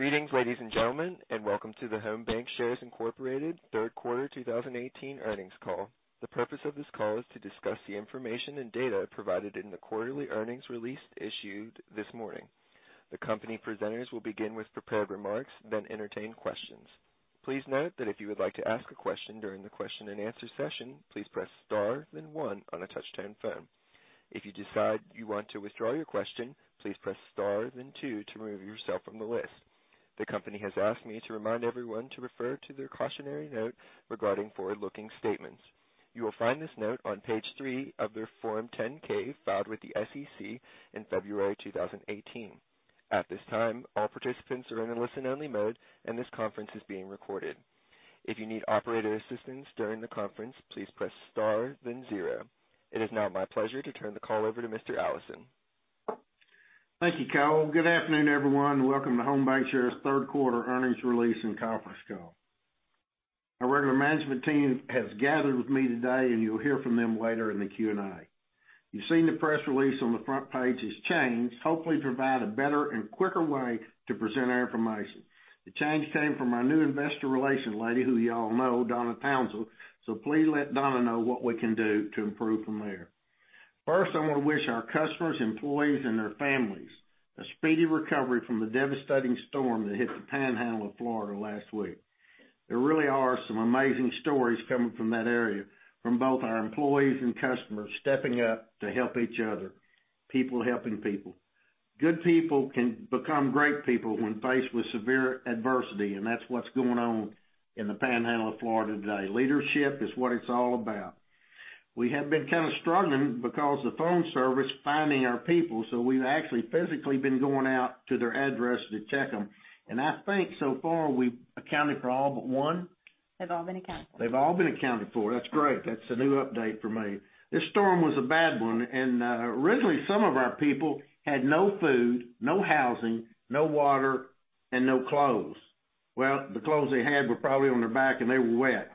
Greetings, ladies and gentlemen, and welcome to the Home Bancshares, Inc. third quarter 2018 earnings call. The purpose of this call is to discuss the information and data provided in the quarterly earnings release issued this morning. The company presenters will begin with prepared remarks, then entertain questions. Please note that if you would like to ask a question during the question and answer session, please press star then one on a touch-tone phone. If you decide you want to withdraw your question, please press star then two to remove yourself from the list. The company has asked me to remind everyone to refer to their cautionary note regarding forward-looking statements. You will find this note on page three of their Form 10-K filed with the SEC in February 2018. At this time, all participants are in a listen-only mode, and this conference is being recorded. If you need operator assistance during the conference, please press star then zero. It is now my pleasure to turn the call over to Mr. Allison. Thank you, Cole. Good afternoon, everyone. Welcome to Home Bancshares' third quarter earnings release and conference call. Our regular management team has gathered with me today, and you will hear from them later in the Q&A. You have seen the press release on the front page has changed, hopefully to provide a better and quicker way to present our information. The change came from our new investor relation lady, who you all know, Donna Townsell. Please let Donna know what we can do to improve from there. First, I want to wish our customers, employees, and their families a speedy recovery from the devastating storm that hit the Panhandle of Florida last week. There really are some amazing stories coming from that area, from both our employees and customers stepping up to help each other, people helping people. Good people can become great people when faced with severe adversity. That is what is going on in the Panhandle of Florida today. Leadership is what it is all about. We have been kind of struggling because the phone service, finding our people. We have actually physically been going out to their address to check them. I think so far we have accounted for all but one? They've all been accounted for. They've all been accounted for. That's great. That's a new update for me. This storm was a bad one. Originally some of our people had no food, no housing, no water, and no clothes. Well, the clothes they had were probably on their back, and they were wet.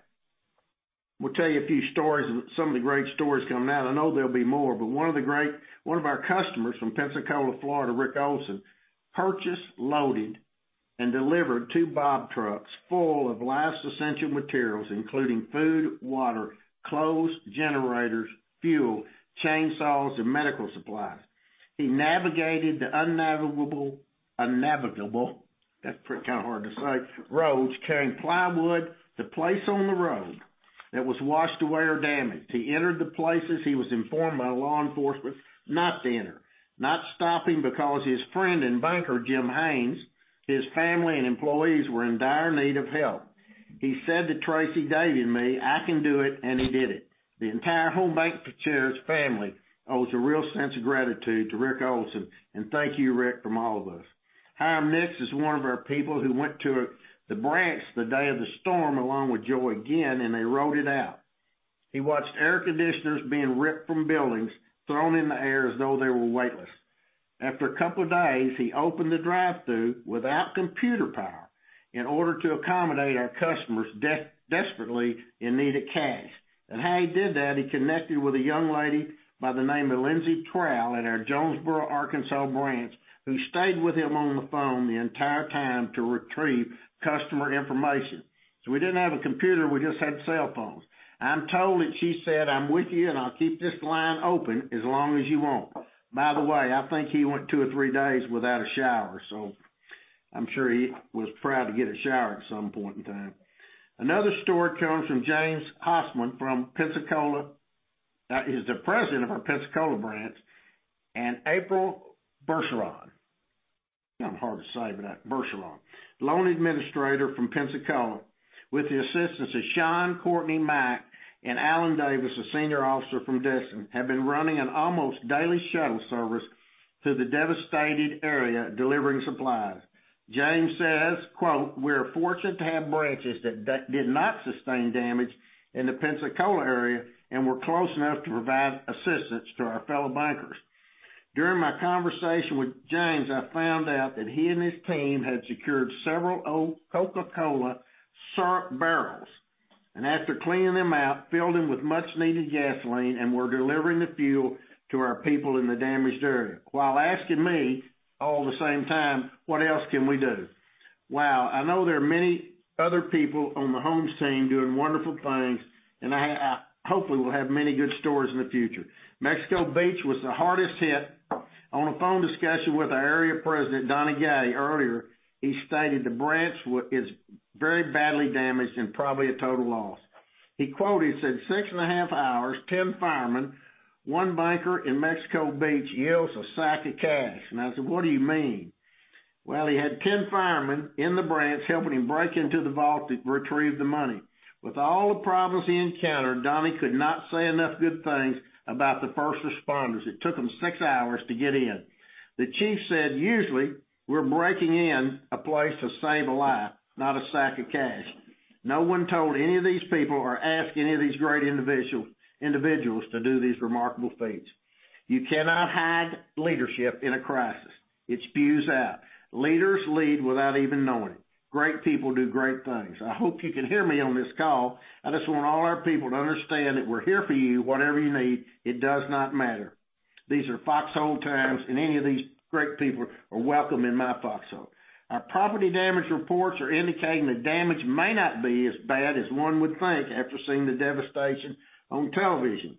We'll tell you a few stories of some of the great stories coming out. I know there'll be more, but one of our customers from Pensacola, Florida, Rick Olsen, purchased, loaded, and delivered two box trucks full of last essential materials, including food, water, clothes, generators, fuel, chainsaws, and medical supplies. He navigated the unnavigable, that's kind of hard to say, roads, carrying plywood to place on the road that was washed away or damaged. He entered the places he was informed by law enforcement not to enter, not stopping because his friend and banker, Jim Haynes, his family and employees were in dire need of help. He said to Tracy, Dave, and me, "I can do it," he did it. The entire Home Bancshares family owes a real sense of gratitude to Rick Olsen. Thank you, Rick, from all of us. Hyam Nix is one of our people who went to the branch the day of the storm, along with Joe Again, and they rode it out. He watched air conditioners being ripped from buildings, thrown in the air as though they were weightless. After a couple of days, he opened the drive-through without computer power in order to accommodate our customers desperately in need of cash. How he did that, he connected with a young lady by the name of Lindsay Trowell at our Jonesboro, Arkansas branch, who stayed with him on the phone the entire time to retrieve customer information. We didn't have a computer, we just had cell phones. I'm told that she said, "I'm with you, I'll keep this line open as long as you want." By the way, I think he went two or three days without a shower, I'm sure he was proud to get a shower at some point in time. Another story comes from James Hosman from Pensacola. He's the president of our Pensacola branch, and April Bergeron. Kind of hard to say, Bergeron, loan administrator from Pensacola, with the assistance of Sean Courtney Mack and Alan Davis, a senior officer from Destin, have been running an almost daily shuttle service to the devastated area, delivering supplies. James says, quote, "We are fortunate to have branches that did not sustain damage in the Pensacola area, and we're close enough to provide assistance to our fellow bankers." During my conversation with James, I found out that he and his team had secured several old Coca-Cola syrup barrels, and after cleaning them out, filled them with much-needed gasoline, and were delivering the fuel to our people in the damaged area, while asking me at the same time, "What else can we do?" Wow. I know there are many other people on the Homes team doing wonderful things, and I hopefully will have many good stories in the future. Mexico Beach was the hardest hit. On a phone discussion with our area president, Donnie Gay, earlier, he stated the branch is very badly damaged and probably a total loss. He quoted, he said, "Six and a half hours, 10 firemen, one banker in Mexico Beach yields a sack of cash." I said, "What do you mean?" Well, he had 10 firemen in the branch helping him break into the vault to retrieve the money. With all the problems he encountered, Donnie could not say enough good things about the first responders. It took him six hours to get in. The chief said, "Usually, we're breaking in a place to save a life, not a sack of cash." No one told any of these people or asked any of these great individuals to do these remarkable feats. You cannot hide leadership in a crisis. It spews out. Leaders lead without even knowing. Great people do great things. I hope you can hear me on this call. I just want all our people to understand that we're here for you, whatever you need, it does not matter. These are foxhole terms, any of these great people are welcome in my foxhole. Our property damage reports are indicating the damage may not be as bad as one would think after seeing the devastation on television.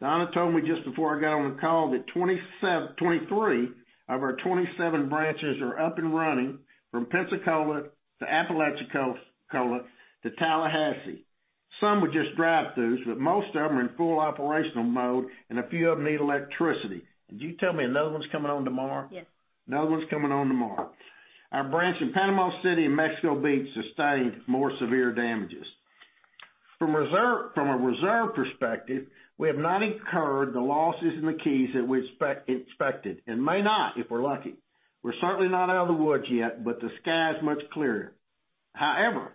Donna told me just before I got on the call that 23 of our 27 branches are up and running from Pensacola to Apalachicola to Tallahassee. Some with just drive-throughs, most of them are in full operational mode, a few of them need electricity. Did you tell me another one's coming on tomorrow? Yes. Another one's coming on tomorrow. Our branch in Panama City and Mexico Beach sustained more severe damages. From a reserve perspective, we have not incurred the losses in the Keys that we expected, may not, if we're lucky. We're certainly not out of the woods yet, the sky is much clearer. However,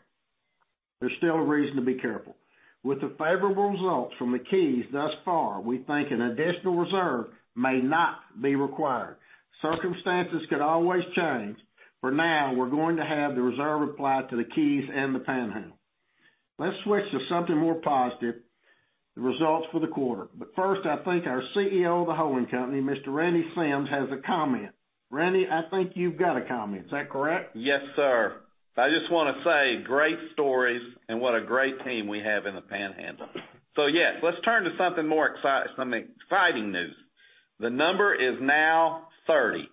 there's still a reason to be careful. With the favorable results from the Keys thus far, we think an additional reserve may not be required. Circumstances could always change. For now, we're going to have the reserve applied to the Keys and the Panhandle. Let's switch to something more positive, the results for the quarter. First, I think our CEO of the holding company, Mr. Randy Sims, has a comment. Randy, I think you've got a comment. Is that correct? Yes, sir. I just want to say great stories, and what a great team we have in the Panhandle. Yes, let's turn to some exciting news. The number is now 30.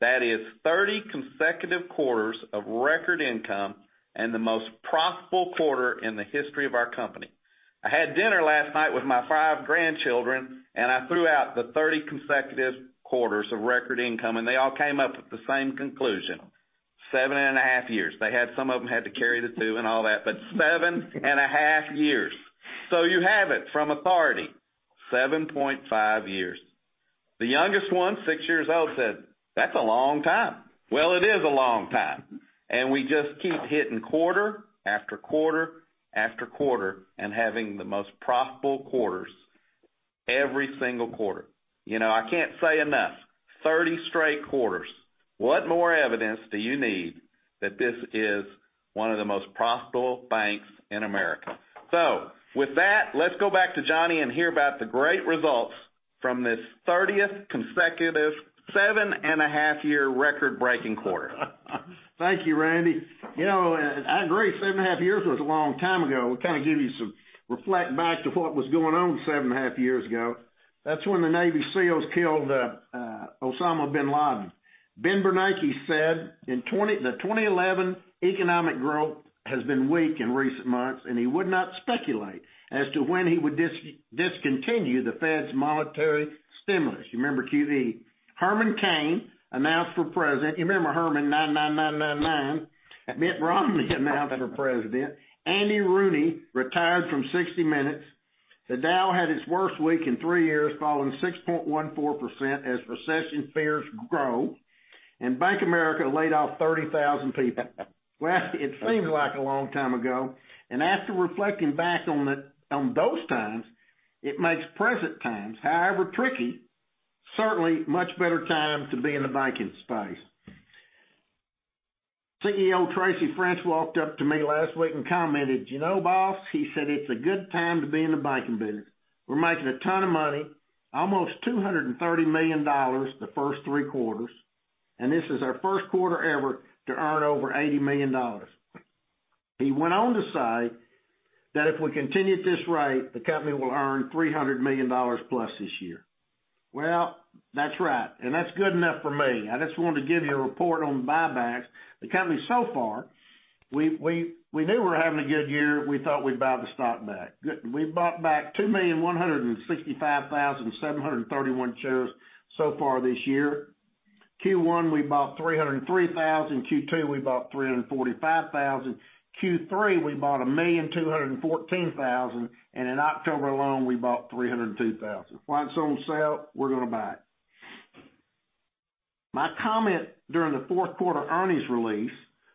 That is 30 consecutive quarters of record income and the most profitable quarter in the history of our company. I had dinner last night with my five grandchildren, and I threw out the 30 consecutive quarters of record income, and they all came up with the same conclusion. Seven and a half years. Some of them had to carry the two and all that, but seven and a half years. You have it from authority, 7.5 years. The youngest one, six years old, said, "That's a long time." It is a long time, and we just keep hitting quarter after quarter after quarter and having the most profitable quarters every single quarter. I can't say enough. 30 straight quarters. What more evidence do you need that this is one of the most profitable banks in America? With that, let's go back to Johnny and hear about the great results from this 30th consecutive seven-and-a-half-year record-breaking quarter. Thank you, Randy. I agree, seven and a half years was a long time ago. We kind of give you some reflect back to what was going on seven and a half years ago. That's when the Navy SEALs killed Osama bin Laden. Ben Bernanke said, the 2011 economic growth has been weak in recent months, and he would not speculate as to when he would discontinue the Fed's monetary stimulus. You remember QE. Herman Cain announced for president. You remember Herman, 99,999. Mitt Romney announced for president. Andy Rooney retired from "60 Minutes." The Dow had its worst week in three years, falling 6.14% as recession fears grow, Bank of America laid off 30,000 people. It seems like a long time ago, and after reflecting back on those times, it makes present times, however tricky, certainly much better time to be in the banking space. CEO Tracy French walked up to me last week and commented, "You know, boss," he said, "It's a good time to be in the banking business. We're making a ton of money, almost $230 million the first three quarters, and this is our first quarter ever to earn over $80 million." He went on to say that if we continue at this rate, the company will earn $300 million plus this year. That's right, and that's good enough for me. I just wanted to give you a report on buybacks. The company so far, we knew we were having a good year. We thought we'd buy the stock back. We bought back 2,165,731 shares so far this year. Q1, we bought 303,000. Q2, we bought 345,000. Q3, we bought 1,214,000, and in October alone, we bought 302,000. While it's on sale, we're going to buy. My comment during the fourth quarter earnings release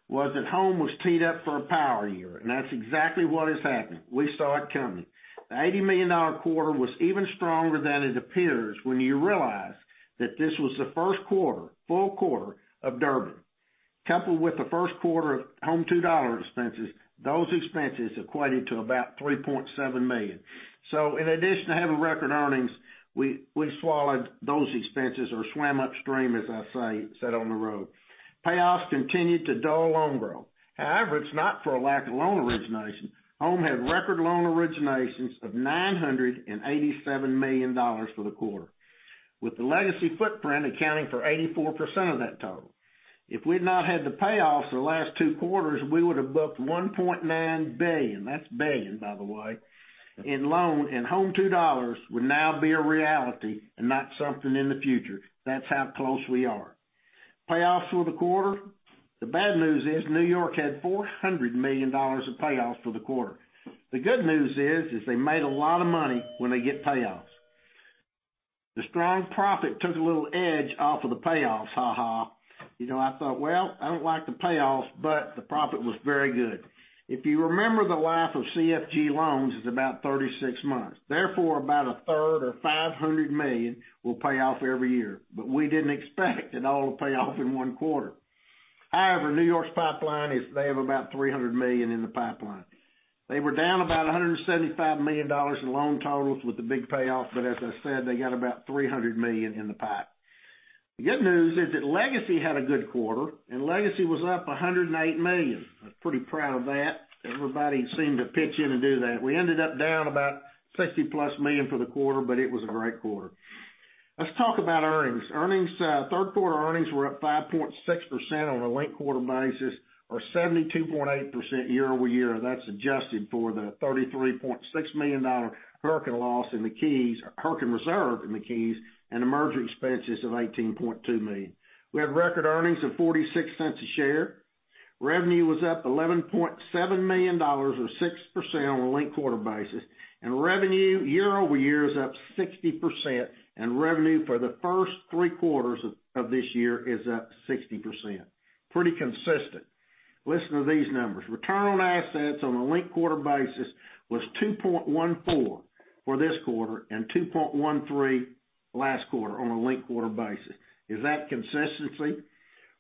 was that Home was teed up for a power year, and that's exactly what has happened. We saw it coming. The $80 million quarter was even stronger than it appears when you realize that this was the first full quarter of Durbin. Coupled with the first quarter of Home $2 expenses, those expenses equated to about $3.7 million. In addition to having record earnings, we swallowed those expenses or swam upstream, as I said on the road. Payoffs continued to dull loan growth. It's not for a lack of loan origination. Home had record loan originations of $987 million for the quarter, with the legacy footprint accounting for 84% of that total. If we'd not had the payoffs for the last two quarters, we would have booked $1.9 billion, that's billion, by the way, in loan, and Home $2 would now be a reality and not something in the future. That's how close we are. Payoffs for the quarter, the bad news is N.Y. had $400 million of payoffs for the quarter. The good news is they made a lot of money when they get payoffs. The strong profit took a little edge off of the payoffs. I thought, "I don't like the payoffs, but the profit was very good." If you remember, the life of CFG loans is about 36 months. Therefore, about a third or $500 million will pay off every year. We didn't expect it all to pay off in one quarter. N.Y.'s pipeline is, they have about $300 million in the pipeline. They were down about $175 million in loan totals with the big payoff, as I said, they got about $300 million in the pipe. The good news is that Legacy had a good quarter, and Legacy was up $108 million. I'm pretty proud of that. Everybody seemed to pitch in and do that. We ended up down about $60+ million for the quarter, but it was a great quarter. Let's talk about earnings. Third quarter earnings were up 5.6% on a linked-quarter basis, or 72.8% year-over-year. That's adjusted for the $33.6 million hurricane loss in the Keys, or hurricane reserve in the Keys, and the merger expenses of $18.2 million. We had record earnings of $0.46 a share. Revenue was up $11.7 million, or 6% on a linked-quarter basis. Revenue year-over-year is up 60%, revenue for the first three quarters of this year is up 60%. Pretty consistent. Listen to these numbers. Return on assets on a linked-quarter basis was 2.14% for this quarter and 2.13% last quarter on a linked-quarter basis. Is that consistency?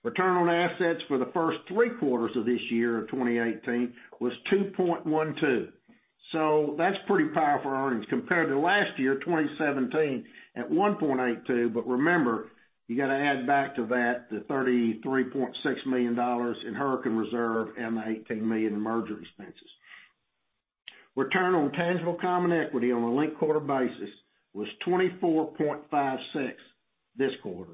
Return on assets for the first three quarters of this year, of 2018, was 2.12%. That's pretty powerful earnings compared to last year, 2017, at 1.82%. Remember, you got to add back to that the $33.6 million in hurricane reserve and the $18 million in merger expenses. Return on tangible common equity on a linked-quarter basis was 24.56% this quarter,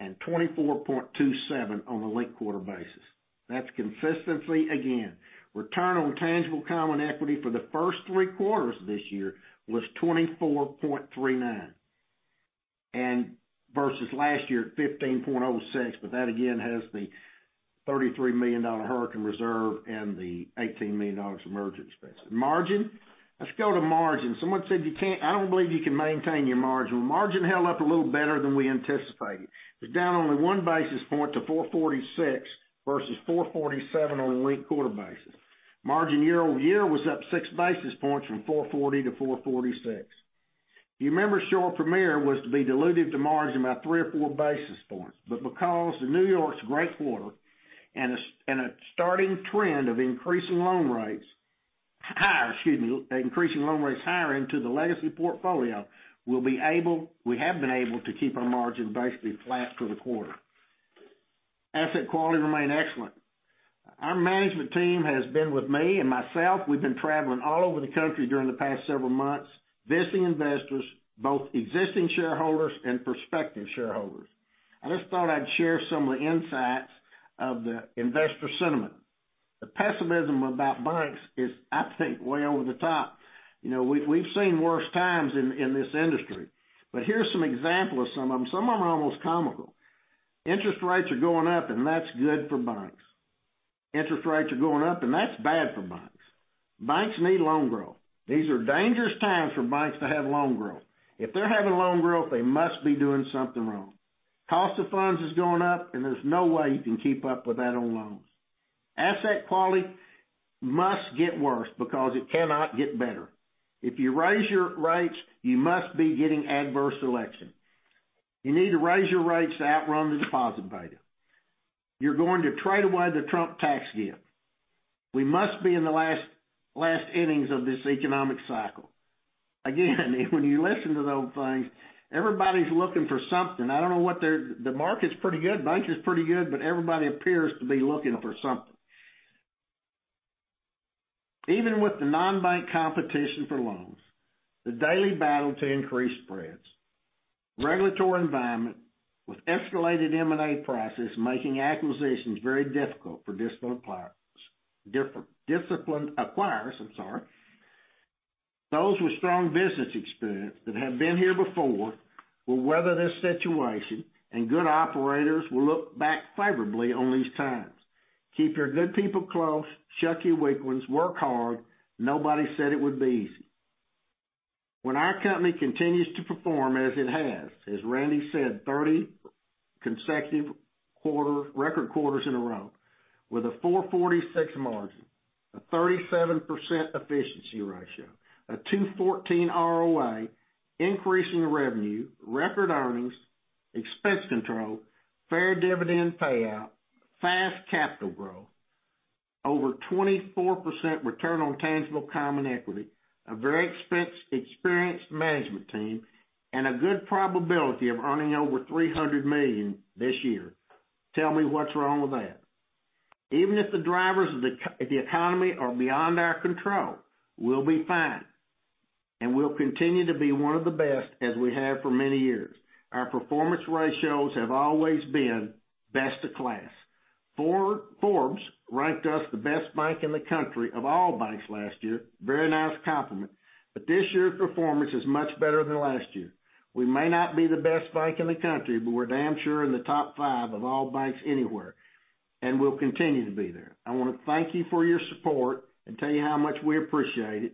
and 24.27% on a linked-quarter basis. That's consistency again. Return on tangible common equity for the first three quarters of this year was 24.39, versus last year at 15.06, that again has the $33 million hurricane reserve and the $18 million of merger expenses. Margin. Let's go to margin. Someone said, "I don't believe you can maintain your margin." Margin held up a little better than we anticipated. It's down only one basis point to 446 versus 447 on a linked-quarter basis. Margin year-over-year was up six basis points from 440 to 446. You remember Shore Premier was to be dilutive to margin by three or four basis points. Because of New York's great quarter and a starting trend of increasing loan rates higher into the legacy portfolio, we have been able to keep our margin basically flat for the quarter. Asset quality remained excellent. Our management team has been with me, myself, we've been traveling all over the country during the past several months, visiting investors, both existing shareholders and prospective shareholders. I just thought I'd share some of the insights of the investor sentiment. The pessimism about banks is, I think, way over the top. We've seen worse times in this industry. Here's some examples, some of them are almost comical. Interest rates are going up, and that's good for banks. Interest rates are going up, and that's bad for banks. Banks need loan growth. These are dangerous times for banks to have loan growth. If they're having loan growth, they must be doing something wrong. Cost of funds is going up, and there's no way you can keep up with that on loans. Asset quality must get worse because it cannot get better. If you raise your rates, you must be getting adverse selection. You need to raise your rates to outrun the deposit beta. You're going to trade away the Trump tax gift. We must be in the last innings of this economic cycle. Again, when you listen to those things, everybody's looking for something. The market's pretty good, banks is pretty good, but everybody appears to be looking for something. Even with the non-bank competition for loans, the daily battle to increase spreads, regulatory environment with escalated M&A prices making acquisitions very difficult for disciplined acquirers, those with strong business experience that have been here before, will weather this situation, and good operators will look back favorably on these times. Keep your good people close, check your weak ones, work hard, nobody said it would be easy. When our company continues to perform as it has, as Randy said, 30 consecutive record quarters in a row, with a 446 margin, a 37% efficiency ratio, a 214 ROA, increasing revenue, record earnings, expense control, fair dividend payout, fast capital growth, over 24% return on tangible common equity, a very experienced management team, and a good probability of earning over $300 million this year. Tell me what's wrong with that. Even if the drivers of the economy are beyond our control, we'll be fine, and we'll continue to be one of the best as we have for many years. Our performance ratios have always been best in class. Forbes ranked us the best bank in the country of all banks last year, very nice compliment, but this year's performance is much better than last year. We may not be the best bank in the country, but we're damn sure in the top five of all banks anywhere. We'll continue to be there. I want to thank you for your support and tell you how much we appreciate it.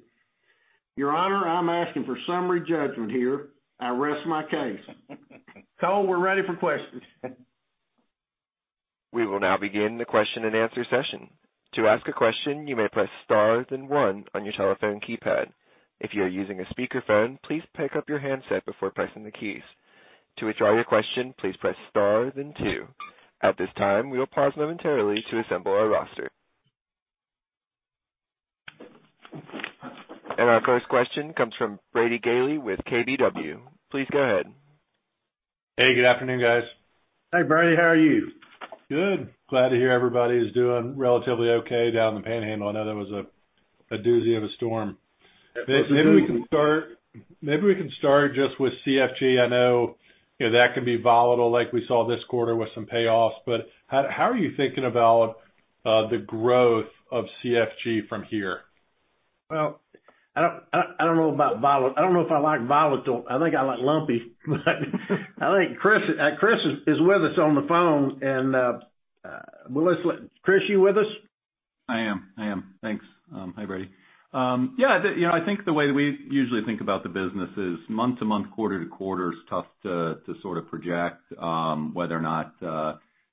Your Honor, I'm asking for summary judgment here. I rest my case. Cole, we're ready for questions. We will now begin the question and answer session. To ask a question, you may press star then one on your telephone keypad. If you are using a speakerphone, please pick up your handset before pressing the keys. To withdraw your question, please press star then two. At this time, we will pause momentarily to assemble our roster. Our first question comes from Brady Gailey with KBW. Please go ahead. Hey, good afternoon, guys. Hey, Brady. How are you? Good. Glad to hear everybody is doing relatively okay down in the Panhandle. I know that was a doozy of a storm. Absolutely. Maybe we can start just with CFG. I know that can be volatile, like we saw this quarter with some payoffs, but how are you thinking about the growth of CFG from here? Well, I don't know if I like volatile. I think I like lumpy. Chris is with us on the phone. Chris, you with us? I am. Thanks. Hi, Brady. Yeah. I think the way we usually think about the business is month to month, quarter to quarter is tough to sort of project, whether or not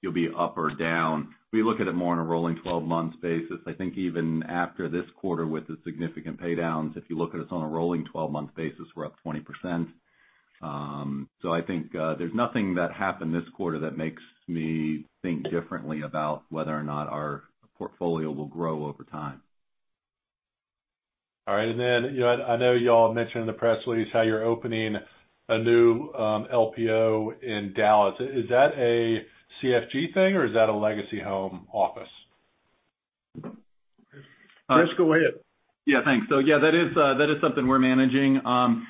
you'll be up or down. We look at it more on a rolling 12 months basis. I think even after this quarter with the significant pay downs, if you look at us on a rolling 12 months basis, we're up 20%. I think there's nothing that happened this quarter that makes me think differently about whether or not our portfolio will grow over time. All right. I know you all mentioned in the press release how you're opening a new LPO in Dallas. Is that a CFG thing or is that a legacy home office? Chris, go ahead. Yeah, thanks. Yeah, that is something we're managing.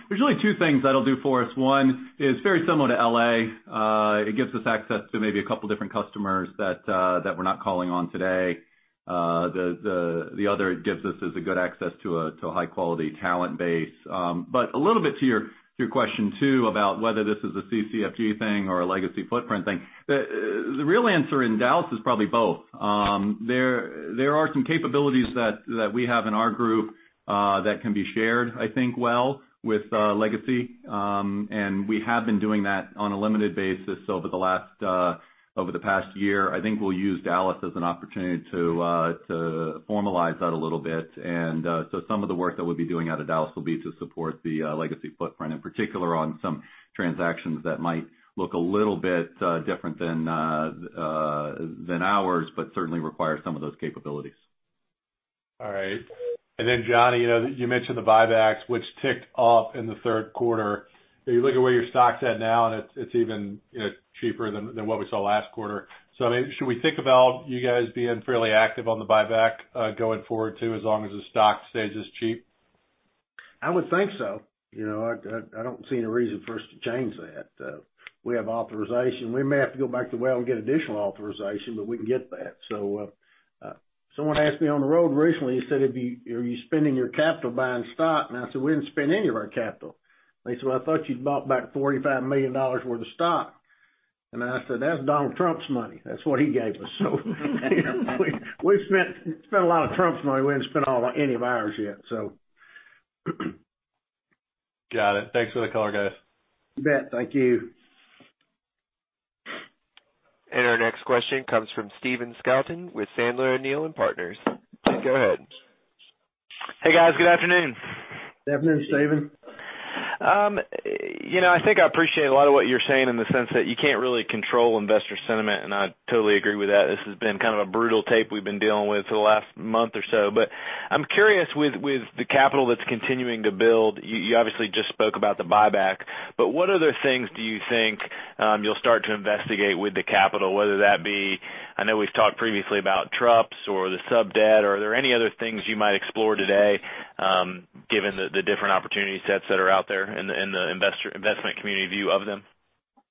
There's really two things that'll do for us. One is very similar to L.A. It gives us access to maybe a couple different customers that we're not calling on today. The other it gives us is a good access to a high-quality talent base. A little bit to your question, too, about whether this is a CFG thing or a legacy footprint thing. The real answer in Dallas is probably both. There are some capabilities that we have in our group that can be shared, I think, well with legacy. We have been doing that on a limited basis over the past year. I think we'll use Dallas as an opportunity to formalize that a little bit. Some of the work that we'll be doing out of Dallas will be to support the legacy footprint, in particular, on some transactions that might look a little bit different than ours, but certainly require some of those capabilities. John, you mentioned the buybacks, which ticked off in the third quarter. You look at where your stock's at now, and it's even cheaper than what we saw last quarter. Should we think about you guys being fairly active on the buyback going forward, too, as long as the stock stays this cheap? I would think so. I don't see any reason for us to change that. We have authorization. We may have to go back to the well and get additional authorization, but we can get that. Someone asked me on the road recently, he said, "Are you spending your capital buying stock?" I said, "We didn't spend any of our capital." He said, "Well, I thought you'd bought back $45 million worth of stock." I said, "That's Donald Trump's money. That's what he gave us." We've spent a lot of Trump's money. We haven't spent any of ours yet. Got it. Thanks for the color, guys. You bet. Thank you. Our next question comes from Stephen Scouten with Sandler O'Neill & Partners. Go ahead. Hey, guys. Good afternoon. Afternoon, Stephen. I think I appreciate a lot of what you're saying in the sense that you can't really control investor sentiment, and I totally agree with that. This has been kind of a brutal tape we've been dealing with for the last month or so. I'm curious with the capital that's continuing to build, you obviously just spoke about the buyback, but what other things do you think you'll start to investigate with the capital, whether that be, I know we've talked previously about TRUPS or the sub-debt, are there any other things you might explore today, given the different opportunity sets that are out there and the investment community view of them?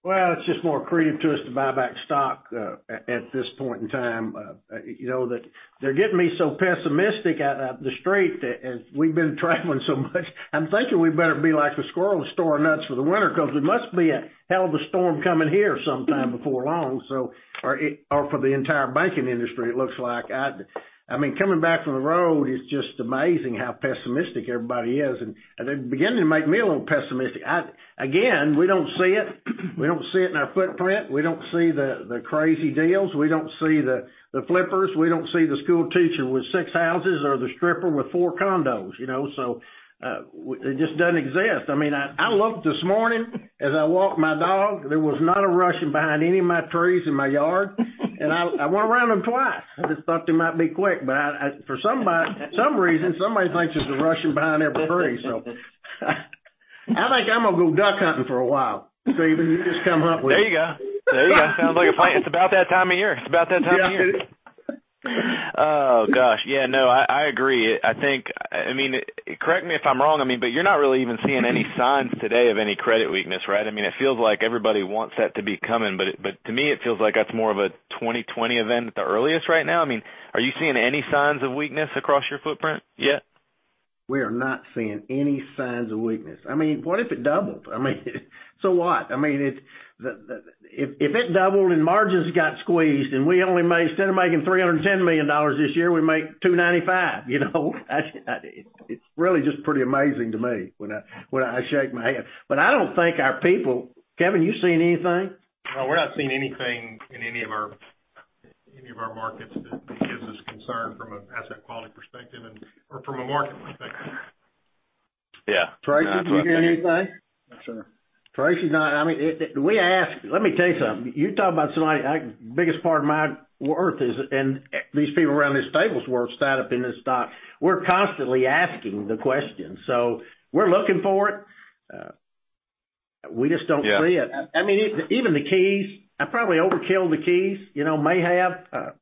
Well, it's just more accretive to us to buy back stock at this point in time. They're getting me so pessimistic at The Street that we've been traveling so much, I'm thinking we better be like the squirrel and store nuts for the winter because there must be a hell of a storm coming here sometime before long. Or for the entire banking industry, it looks like. Coming back from the road, it's just amazing how pessimistic everybody is, and they're beginning to make me a little pessimistic. Again, we don't see it. We don't see it in our footprint. We don't see the crazy deals. We don't see the flippers. We don't see the school teacher with six houses or the stripper with four condos. It just doesn't exist. I looked this morning as I walked my dog. There was not a Russian behind any of my trees in my yard, and I went around them twice. I just thought they might be quick, but for some reason, somebody thinks there's a Russian behind every tree. I think I'm going to go duck hunting for a while, Stephen. You just come hunt with me. There you go. Sounds like a plan. It's about that time of year. Yeah. Oh, gosh. Yeah, no, I agree. Correct me if I'm wrong, but you're not really even seeing any signs today of any credit weakness, right? It feels like everybody wants that to be coming, but to me, it feels like that's more of a 2020 event at the earliest right now. Are you seeing any signs of weakness across your footprint yet? We are not seeing any signs of weakness. What if it doubled? So what? If it doubled and margins got squeezed, and instead of making $310 million this year, we make $295. It's really just pretty amazing to me when I shake my head. I don't think our people Kevin, you seen anything? No, we're not seeing anything in any of our markets that gives us concern from an asset quality perspective or from a marketplace. Yeah. Tracy, did you hear anything? No, sir. Let me tell you something. You're talking about something like the biggest part of my worth is, and these people around this table's worth tied up in this stock. We're constantly asking the questions. We're looking for it, we just don't see it. Yeah. Even the Keys. I probably overkill the Keys, may have.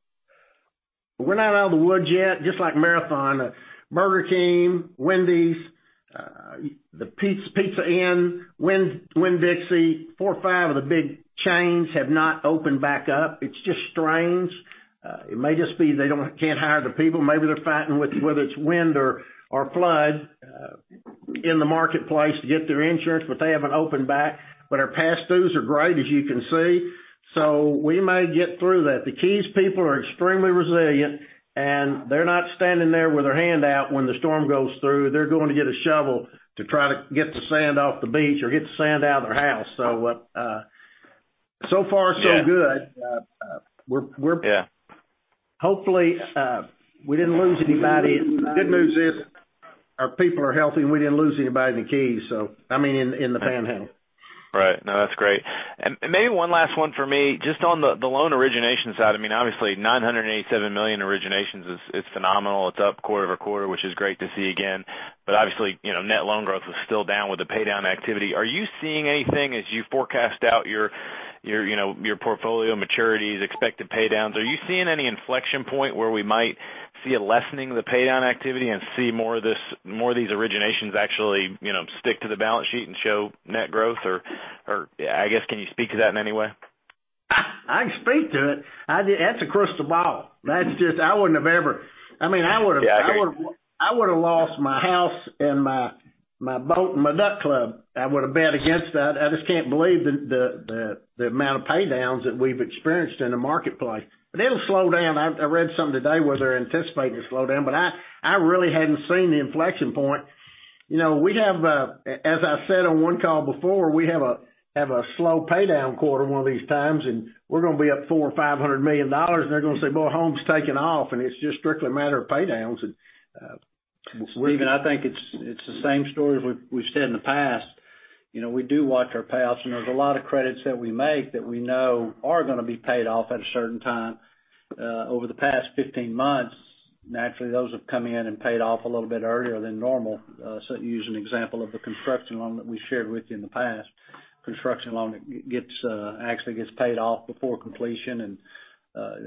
We're not out of the woods yet, just like Marathon. Burger King, Wendy's, the Pizza Inn, Winn-Dixie, four or five of the big chains have not opened back up. It's just strange. It may just be they can't hire the people. Maybe they're fighting with whether it's wind or flood in the marketplace to get their insurance, but they haven't opened back. Our past dues are great, as you can see. We may get through that. The Keys people are extremely resilient, and they're not standing there with their hand out when the storm goes through. They're going to get a shovel to try to get the sand off the beach or get the sand out of their house. So far so good. Yeah. Hopefully, we didn't lose anybody. The good news is our people are healthy, and we didn't lose anybody in the Keys. I mean, in the Panhandle. Right. No, that's great. Maybe one last one for me, just on the loan origination side. Obviously, $987 million origination is phenomenal. It's up quarter-over-quarter, which is great to see again. Obviously, net loan growth is still down with the paydown activity. Are you seeing anything as you forecast out your portfolio maturities, expected paydowns? Are you seeing any inflection point where we might see a lessening of the paydown activity and see more of these originations actually stick to the balance sheet and show net growth? I guess, can you speak to that in any way? I can speak to it. That's a crystal ball. I would've lost my house and my boat, and my duck club. I would've bet against that. I just can't believe the amount of paydowns that we've experienced in the marketplace. It'll slow down. I read something today where they're anticipating a slowdown, but I really hadn't seen the inflection point. As I said on one call before, we have a slow paydown quarter one of these times, and we're going to be up $400 million or $500 million, and they're going to say, "Well, Home's taken off, and it's just strictly a matter of paydowns. Stephen, I think it's the same story as we've said in the past. We do watch our payoffs, and there's a lot of credits that we make that we know are going to be paid off at a certain time. Over the past 15 months, naturally, those have come in and paid off a little bit earlier than normal. To use an example of the construction loan that we shared with you in the past, construction loan actually gets paid off before completion, and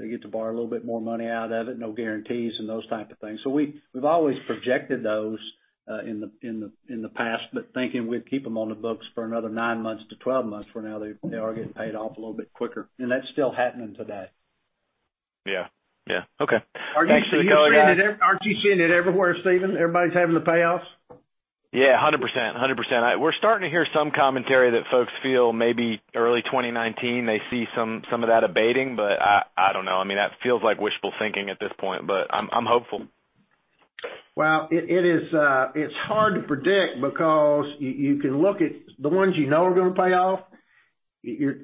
they get to borrow a little bit more money out of it, no guarantees and those types of things. We've always projected those in the past, but thinking we'd keep them on the books for another nine months to 12 months, where now they are getting paid off a little bit quicker. That's still happening today. Yeah. Okay. Thanks for the color, guys. Aren't you seeing it everywhere, Stephen? Everybody's having the payoffs. Yeah, 100%. We're starting to hear some commentary that folks feel maybe early 2019 they see some of that abating, but I don't know. That feels like wishful thinking at this point, but I'm hopeful. Well, it's hard to predict because you can look at the ones you know are going to pay off. You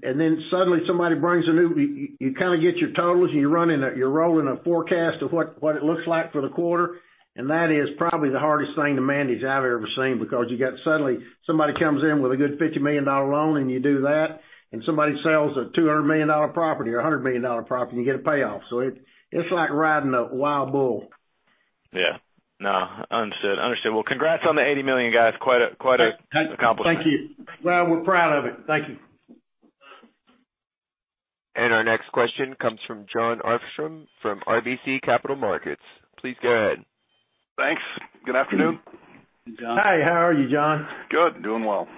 get your totals, and you're rolling a forecast of what it looks like for the quarter, and that is probably the hardest thing to manage I've ever seen because you got suddenly somebody comes in with a good $50 million loan, and you do that, and somebody sells a $200 million property or $100 million property, and you get a payoff. It's like riding a wild bull. Yeah. No, understood. Well, congrats on the $80 million, guys. Quite an accomplishment. Thank you. Well, we're proud of it. Thank you. Our next question comes from Jon Arfstrom from RBC Capital Markets. Please go ahead. Thanks. Good afternoon. Hey, Jon. Hi, how are you, Jon? Good. Doing well.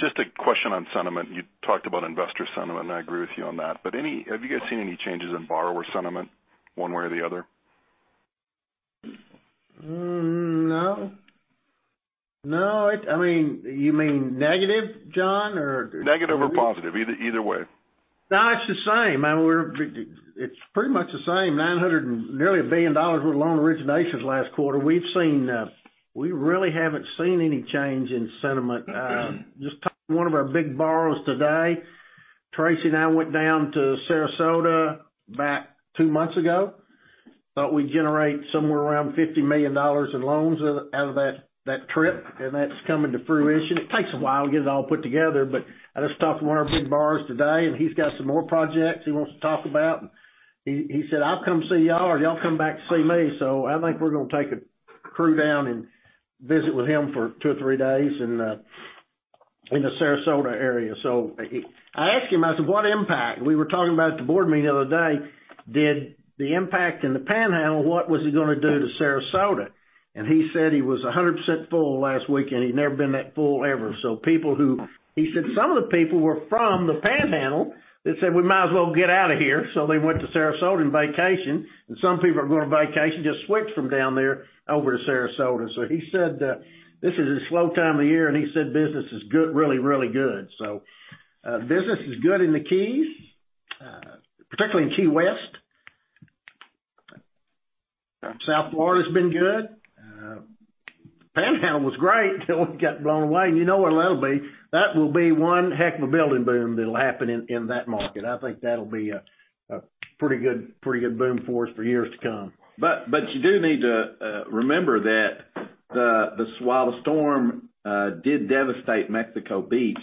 Just a question on sentiment. You talked about investor sentiment, and I agree with you on that. Have you guys seen any changes in borrower sentiment one way or the other? No. You mean negative, Jon? Negative or positive, either way. No, it's the same. It's pretty much the same. Nearly $1 billion worth of loan originations last quarter. We really haven't seen any change in sentiment. Just talking to one of our big borrowers today. Tracy and I went down to Sarasota about two months ago. Thought we'd generate somewhere around $50 million in loans out of that trip, and that's coming to fruition. It takes a while to get it all put together, but I just talked to one of our big borrowers today, and he's got some more projects he wants to talk about. He said, "I'll come see y'all, or y'all come back to see me." I think we're going to take a crew down and visit with him for two or three days in the Sarasota area. I asked him, I said, "What impact?" We were talking about at the board meeting the other day, did the impact in the Panhandle, what was it going to do to Sarasota? He said he was 100% full last week, and he'd never been that full ever. He said some of the people were from the Panhandle that said, "We might as well get out of here," so they went to Sarasota and vacationed, and some people are going on vacation, just switched from down there over to Sarasota. He said this is a slow time of year, and he said business is really, really good. Business is good in the Keys, particularly in Key West. South Florida's been good. Panhandle was great till it got blown away. You know what that'll be? That will be one heck of a building boom that'll happen in that market. I think that'll be a pretty good boom for us for years to come. You do need to remember that while the storm did devastate Mexico Beach,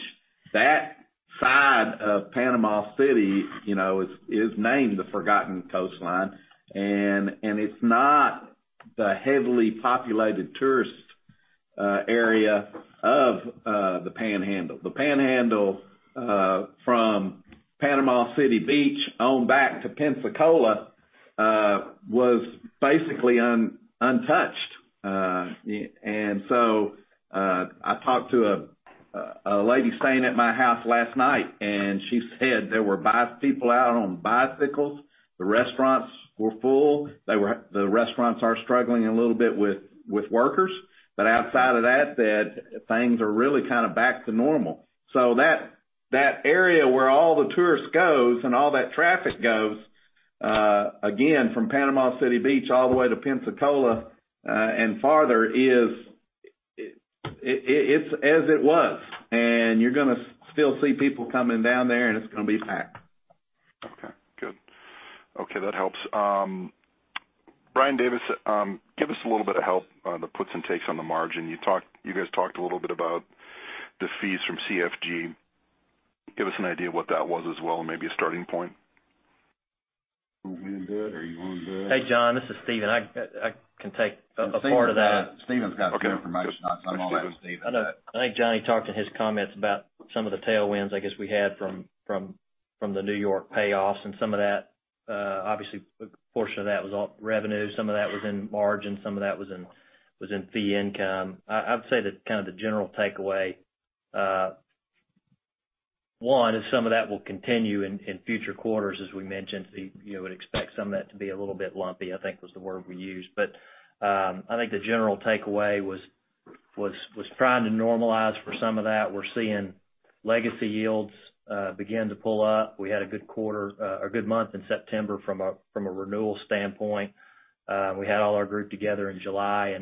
that side of Panama City is named the Forgotten Coastline, and it's not the heavily populated tourist area of the Panhandle. The Panhandle from Panama City Beach on back to Pensacola, was basically untouched. I talked to a lady staying at my house last night, and she said there were people out on bicycles. The restaurants were full. The restaurants are struggling a little bit with workers. Outside of that, said things are really kind of back to normal. That area where all the tourists go and all that traffic goes, again, from Panama City Beach all the way to Pensacola, and farther, it's as it was. You're going to still see people coming down there, and it's going to be packed. Okay, good. Okay, that helps. Brian Davis, give us a little bit of help on the puts and takes on the margin. You guys talked a little bit about the fees from CFG. Give us an idea of what that was as well and maybe a starting point. Are you on good? Hey, Jon, this is Stephen. I can take a part of that. Stephen's got good information on it, so I'm going to let Stephen do that. I think Johnny talked in his comments about some of the tailwinds, I guess, we had from the New York payoffs, and obviously, a portion of that was all revenue. Some of that was in margin, some of that was in fee income. I would say that kind of the general takeaway, one, is some of that will continue in future quarters, as we mentioned. You would expect some of that to be a little bit lumpy, I think was the word we used. I think the general takeaway was trying to normalize for some of that. We're seeing legacy yields begin to pull up. We had a good month in September from a renewal standpoint. We had all our group together in July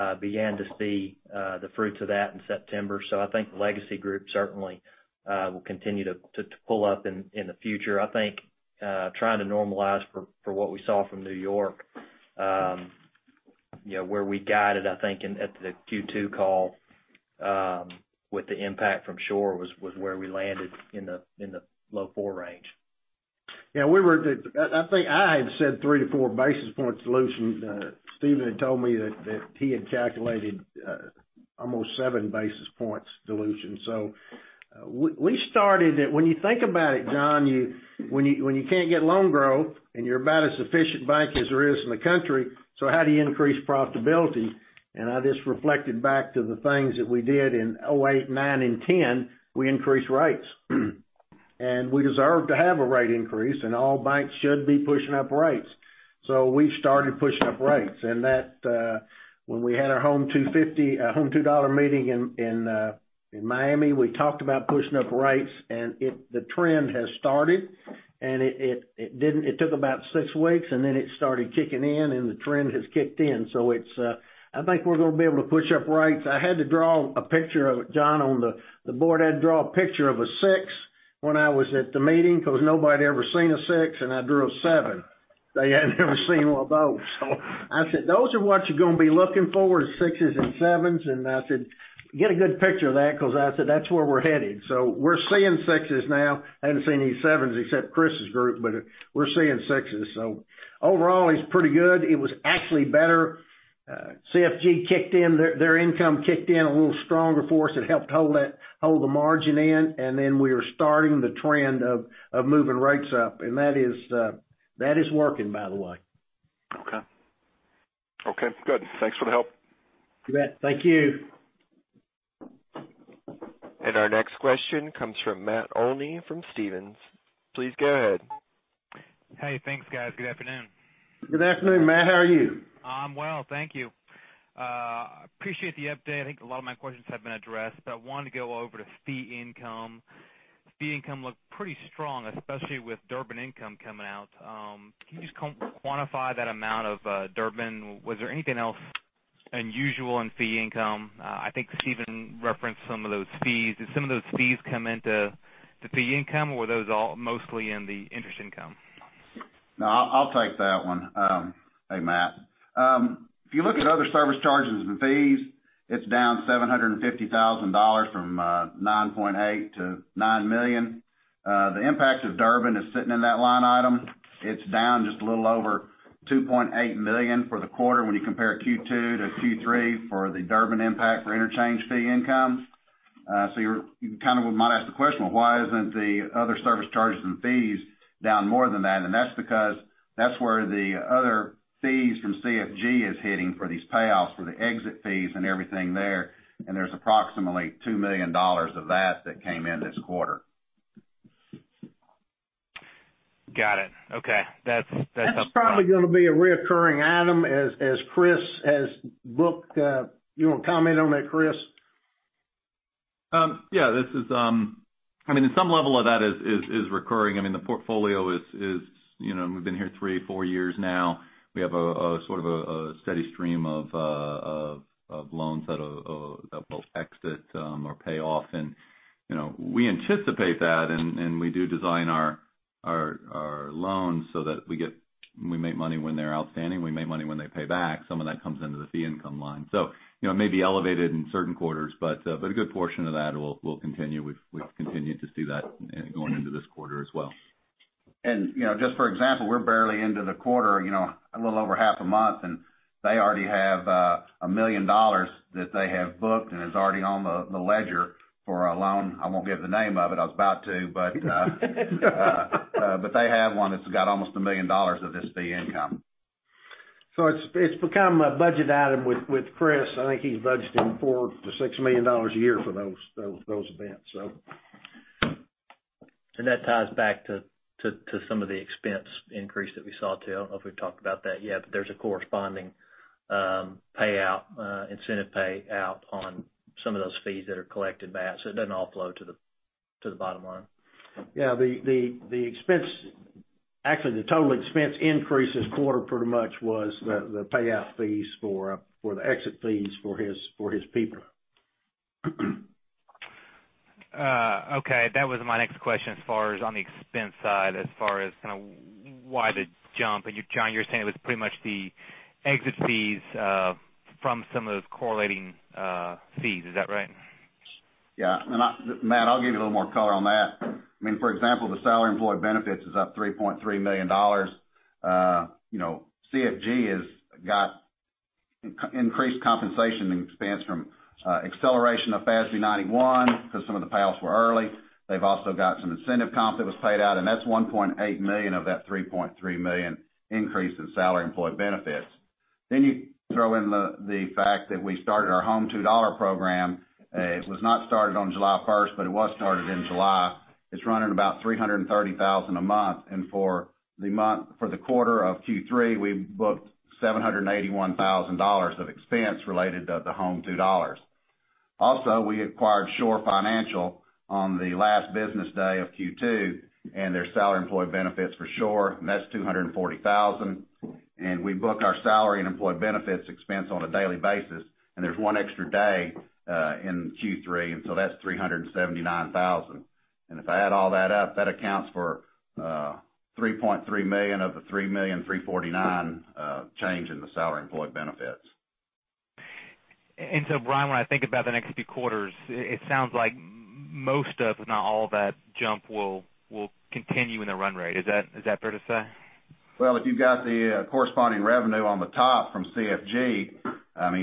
and began to see the fruits of that in September. I think the legacy group certainly will continue to pull up in the future. I think, trying to normalize for what we saw from New York, where we guided, I think, at the Q2 call, with the impact from Shore, was where we landed in the low four range. Yeah. I think I had said three to four basis point dilution. Stephen had told me that he had calculated almost seven basis points dilution. When you think about it, John, when you can't get loan growth, and you're about as efficient bank as there is in the country, how do you increase profitability? I just reflected back to the things that we did in 2008, 2009, and 2010, we increased rates. We deserve to have a rate increase, and all banks should be pushing up rates. We started pushing up rates, and when we had our Home $2 meeting in Miami, we talked about pushing up rates, and the trend has started. It took about six weeks, and then it started kicking in, and the trend has kicked in. I think we're going to be able to push up rates. I had to draw a picture of it, John, on the board. I had to draw a picture of a six when I was at the meeting because nobody had ever seen a six, and I drew a seven. They had never seen one of those. I said, "Those are what you're going to be looking for, sixes and sevens." I said, "Get a good picture of that," because I said, "That's where we're headed." We're seeing sixes now. I haven't seen any sevens except Chris' group, but we're seeing sixes. Overall, it's pretty good. It was actually better. CFG kicked in. Their income kicked in a little stronger for us. It helped hold the margin in, then we are starting the trend of moving rates up, and that is working, by the way. Okay. Good. Thanks for the help. You bet. Thank you. Our next question comes from Matt Olney from Stephens. Please go ahead. Hey, thanks, guys. Good afternoon. Good afternoon, Matt. How are you? I'm well. Thank you. Appreciate the update. I think a lot of my questions have been addressed, but I wanted to go over to fee income. Fee income looked pretty strong, especially with Durbin income coming out. Can you just quantify that amount of Durbin? Was there anything else unusual in fee income? I think Stephen referenced some of those fees. Did some of those fees come into the fee income, or were those all mostly in the interest income? No, I'll take that one. Hey, Matt. If you look at other service charges and fees, it's down $750,000 from $9.8 million to $9 million. The impacts of Durbin is sitting in that line item. It's down just a little over $2.8 million for the quarter when you compare Q2 to Q3 for the Durbin impact for interchange fee income. You kind of might ask the question, well, why isn't the other service charges and fees down more than that? That's because that's where the other fees from CFG is hitting for these payoffs, for the exit fees and everything there. There's approximately $2 million of that that came in this quarter. Got it. Okay. That's helpful. That's probably going to be a recurring item as Chris has booked. You want to comment on that, Chris? Yeah. Some level of that is recurring. The portfolio, we've been here three, four years now. We have a steady stream of loans that will exit or pay off, and we anticipate that, and we do design our loans so that we make money when they're outstanding. We make money when they pay back. Some of that comes into the fee income line. It may be elevated in certain quarters, but a good portion of that will continue. We've continued to see that going into this quarter as well. Just for example, we're barely into the quarter, a little over half a month. They already have $1 million that they have booked. It's already on the ledger for a loan. I won't give the name of it. I was about to, but they have one that's got almost $1 million of this fee income. It's become a budget item with Chris. I think he's budgeted $4 million-$6 million a year for those events. That ties back to some of the expense increase that we saw, too. I don't know if we've talked about that yet. There's a corresponding payout, incentive payout on some of those fees that are collected back. It doesn't all flow to the bottom line. Yeah, actually, the total expense increase this quarter pretty much was the payout fees for the exit fees for his people. Okay. That was my next question as far as on the expense side, as far as why the jump. Jon, you're saying it was pretty much the exit fees from some of the correlating fees. Is that right? Yeah. Matt, I'll give you a little more color on that. For example, the salary employee benefits is up $3.3 million. CFG has got increased compensation expense from acceleration of FASB 91 because some of the payouts were early. They've also got some incentive comp that was paid out, and that's $1.8 million of that $3.3 million increase in salary employee benefits. You throw in the fact that we started our Home $2 program. It was not started on July 1st, but it was started in July. It's running about $330,000 a month, and for the quarter of Q3, we booked $781,000 of expense related to the Home $2. We acquired Shore Premier Finance on the last business day of Q2, and their salary employee benefits for Shore, and that's $240,000. We book our salary and employee benefits expense on a daily basis, there's one extra day in Q3, that's $379,000. If I add all that up, that accounts for $3.3 million of the $3,349,000 change in the salary employee benefits. Brian, when I think about the next few quarters, it sounds like most of, if not all of that jump will continue in the run rate. Is that fair to say? If you've got the corresponding revenue on the top from CFG,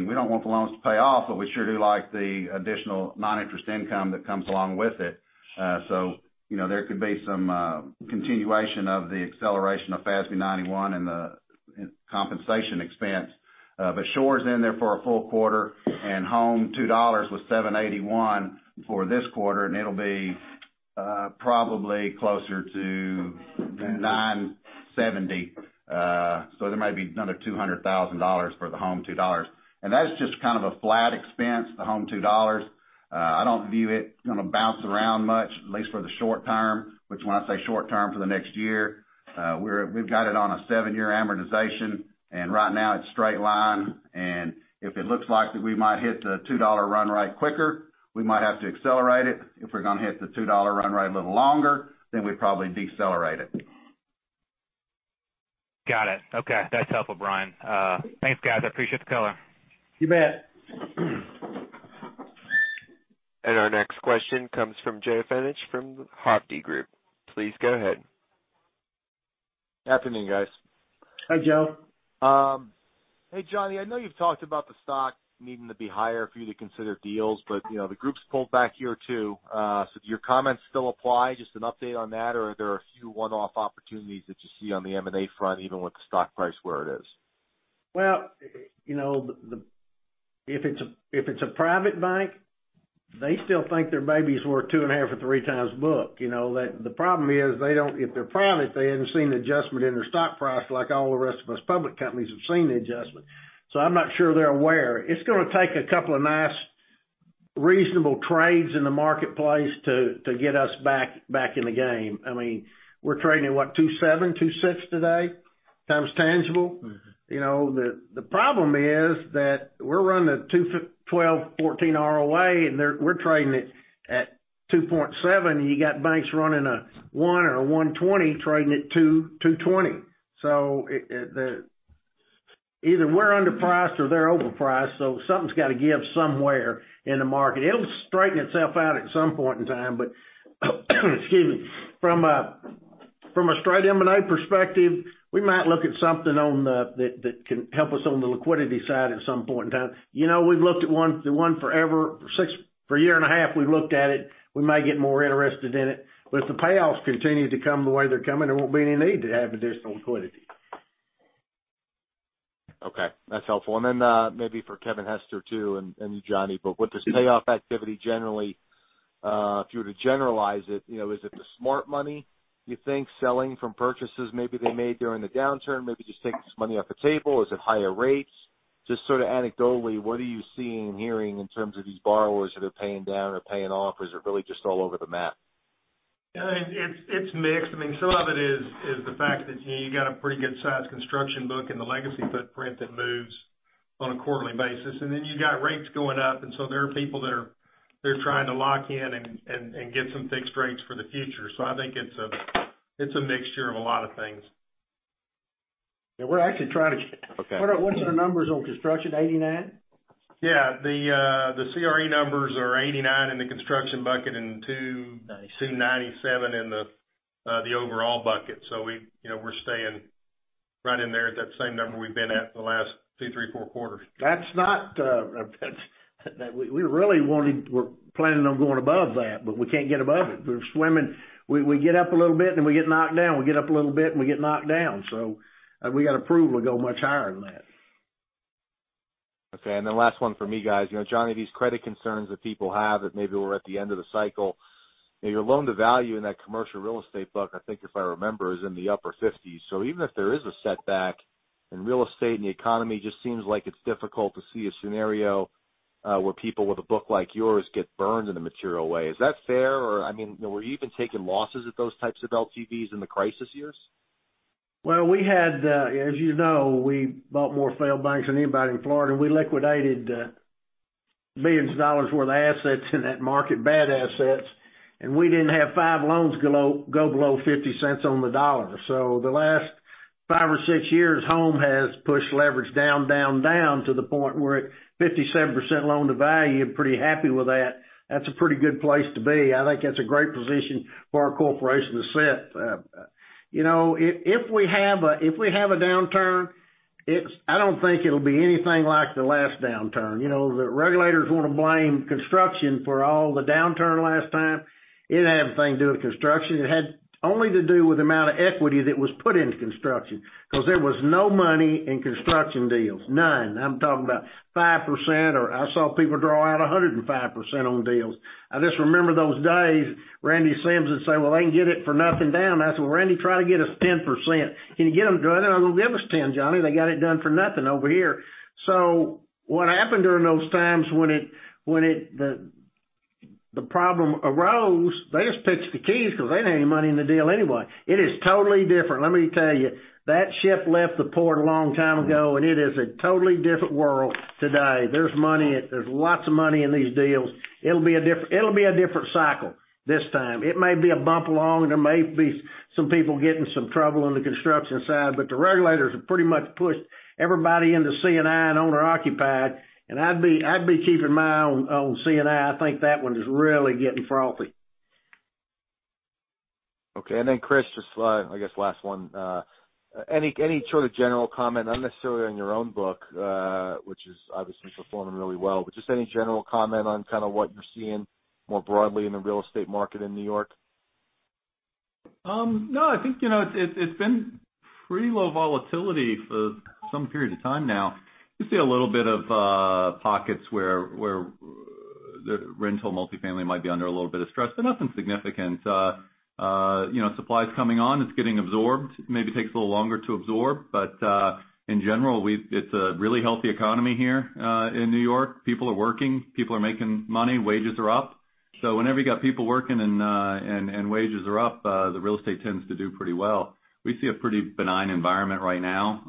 we don't want the loans to pay off, but we sure do like the additional non-interest income that comes along with it. There could be some continuation of the acceleration of FASB 91 and the compensation expense. Shore's in there for a full quarter, and Home $2 was $781,000 for this quarter, and it'll be probably closer to $970,000. There might be another $200,000 for the Home $2. And that is just kind of a flat expense, the Home $2. I don't view it going to bounce around much, at least for the short term, which when I say short term, for the next year. We've got it on a seven-year amortization, and right now it's straight line. If it looks like that we might hit the $2 run rate quicker, we might have to accelerate it. If we're going to hit the $2 run rate a little longer, we'd probably decelerate it. Got it. Okay. That's helpful, Brian. Thanks, guys. I appreciate the color. You bet. Our next question comes from Joe Fenech from Hovde Group. Please go ahead. Good afternoon, guys. Hi, Joe. Hey, Johnny, I know you've talked about the stock needing to be higher for you to consider deals, but the group's pulled back here too. Do your comments still apply? Just an update on that, or are there a few one-off opportunities that you see on the M&A front, even with the stock price where it is? If it's a private bank, they still think their baby's worth 2.5 or 3 times book. The problem is, if they're private, they haven't seen the adjustment in their stock price like all the rest of us public companies have seen the adjustment. I'm not sure they're aware. It's going to take a couple of nice, reasonable trades in the marketplace to get us back in the game. We're trading at what, 2.7, 2.6 today, times tangible. The problem is that we're running a 12, 14 ROA, we're trading it at 2.7, and you got banks running a 1 or a 120 trading at 220. Either we're underpriced or they're overpriced, so something's got to give somewhere in the market. It'll straighten itself out at some point in time. Excuse me, from a straight M&A perspective, we might look at something that can help us on the liquidity side at some point in time. We've looked at one for a year and a half. We looked at it. We may get more interested in it. If the payoffs continue to come the way they're coming, there won't be any need to have additional liquidity. Okay, that's helpful. Then maybe for Kevin Hester too, and you, Johnny, with this payoff activity, generally, if you were to generalize it, is it the smart money you think selling from purchases maybe they made during the downturn, maybe just take this money off the table? Is it higher rates? Just sort of anecdotally, what are you seeing and hearing in terms of these borrowers that are paying down or paying off? Is it really just all over the map? It's mixed. Some of it is the fact that you got a pretty good sized construction book and the legacy footprint that moves on a quarterly basis, then you've got rates going up, so there are people that are trying to lock in and get some fixed rates for the future. I think it's a mixture of a lot of things. Yeah, we're actually trying to keep. Okay. What's the numbers on construction? 89? Yeah. The CRE numbers are 89 in the construction bucket and. Ninety-seven 97 in the overall bucket. We're staying right in there at that same number we've been at for the last two, three, four quarters. We're planning on going above that, but we can't get above it. We get up a little bit, and we get knocked down. We get up a little bit, and we get knocked down. We've got to prove we'll go much higher than that. Okay. Last one for me, guys. Johnny, these credit concerns that people have that maybe we're at the end of the cycle, your loan-to-value in that commercial real estate book, I think if I remember, is in the upper 50s. Even if there is a setback in real estate and the economy just seems like it's difficult to see a scenario where people with a book like yours get burned in a material way. Is that fair? Or were you even taking losses at those types of LTVs in the crisis years? Well, as you know, we bought more failed banks than anybody in Florida, and we liquidated billions of dollars worth of assets in that market, bad assets, and we didn't have five loans go below $0.50 on the dollar. The last five or six years, Home has pushed leverage down to the point where 57% loan-to-value, pretty happy with that. That's a pretty good place to be. I think that's a great position for our corporation to sit. If we have a downturn, I don't think it'll be anything like the last downturn. The regulators want to blame construction for all the downturn last time. It didn't have anything to do with construction. It had only to do with the amount of equity that was put into construction because there was no money in construction deals. None. I'm talking about 5%, or I saw people draw out 105% on deals. I just remember those days, Randy Sims would say, "Well, they can get it for nothing down." I said, "Well, Randy, try to get us 10%. Can you get them?" "Well, they'll give us 10, Johnny. They got it done for nothing over here." What happened during those times when the problem arose, they just pitched the keys because they didn't have any money in the deal anyway. It is totally different, let me tell you. That ship left the port a long time ago, and it is a totally different world today. There's lots of money in these deals. It'll be a different cycle this time. It may be a bump along. There may be some people getting some trouble on the construction side, but the regulators have pretty much pushed everybody into C&I and owner-occupied. I'd be keeping my eye on C&I. I think that one is really getting frothy. Okay. Chris, just I guess last one. Any sort of general comment, not necessarily on your own book, which is obviously performing really well, but just any general comment on kind of what you're seeing more broadly in the real estate market in N.Y.? I think it's been pretty low volatility for some period of time now. You see a little bit of pockets where the rental multifamily might be under a little bit of stress, but nothing significant. Supply's coming on. It's getting absorbed. Maybe takes a little longer to absorb. In general, it's a really healthy economy here in N.Y. People are working. People are making money. Wages are up. Whenever you got people working and wages are up, the real estate tends to do pretty well. We see a pretty benign environment right now.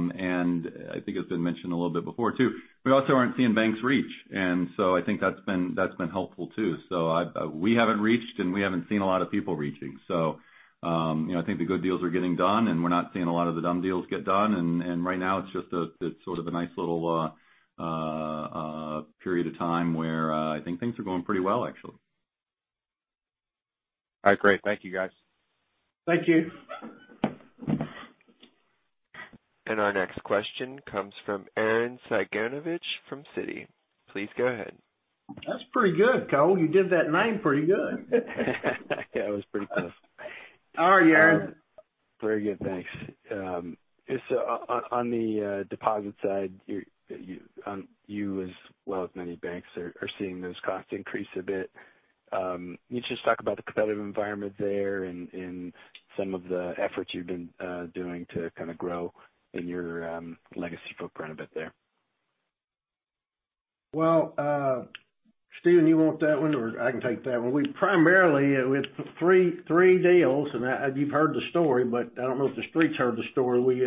I think it's been mentioned a little bit before too, we also aren't seeing banks reach. I think that's been helpful too. We haven't reached, and we haven't seen a lot of people reaching. I think the good deals are getting done. We're not seeing a lot of the dumb deals get done. Right now, it's just sort of a nice little period of time where I think things are going pretty well, actually. All right, great. Thank you guys. Thank you. Our next question comes from Aaron Cyganowicz from Citi. Please go ahead. That's pretty good, Cole. You did that name pretty good. Yeah, it was pretty close. All right, Aaron. Very good. Thanks. On the deposit side, you as well as many banks are seeing those costs increase a bit. Can you just talk about the competitive environment there and some of the efforts you've been doing to kind of grow in your legacy footprint a bit there? Stephen, you want that one? I can take that one. We primarily, with three deals, and you've heard the story, but I don't know if TheStreet heard the story. We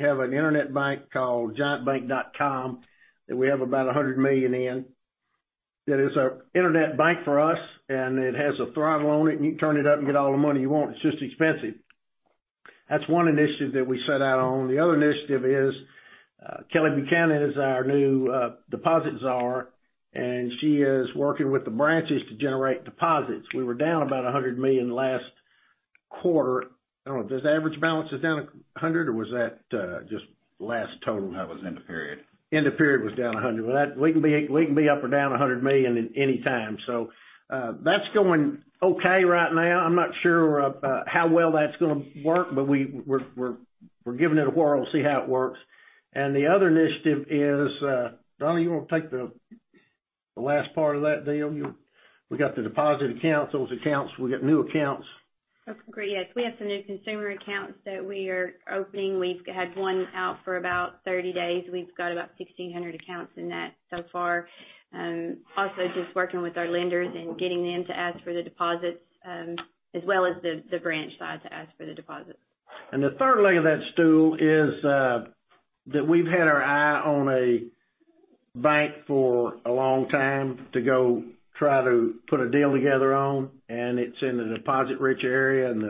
have an internet bank called giantbank.com that we have about $100 million in. That is our internet bank for us, and it has a throttle on it, and you can turn it up and get all the money you want. It's just expensive. That's one initiative that we set out on. The other initiative is, Kelly Buchanan is our new deposit czar, and she is working with the branches to generate deposits. We were down about $100 million last quarter. I don't know, does the average balances down $100 or was that just last total? That was end of period. End of period was down $100. We can be up or down $100 million at any time. That's going okay right now. I'm not sure how well that's going to work, but we're giving it a whirl to see how it works. The other initiative is, Johnny, you want to take the last part of that deal, we got the deposit accounts, those accounts, we got new accounts. That's great. Yes, we have some new consumer accounts that we are opening. We've had one out for about 30 days. We've got about 1,600 accounts in that so far. Also, just working with our lenders and getting them to ask for the deposits, as well as the branch side to ask for the deposits. The third leg of that stool is that we've had our eye on a bank for a long time to go try to put a deal together on, and it's in a deposit-rich area, and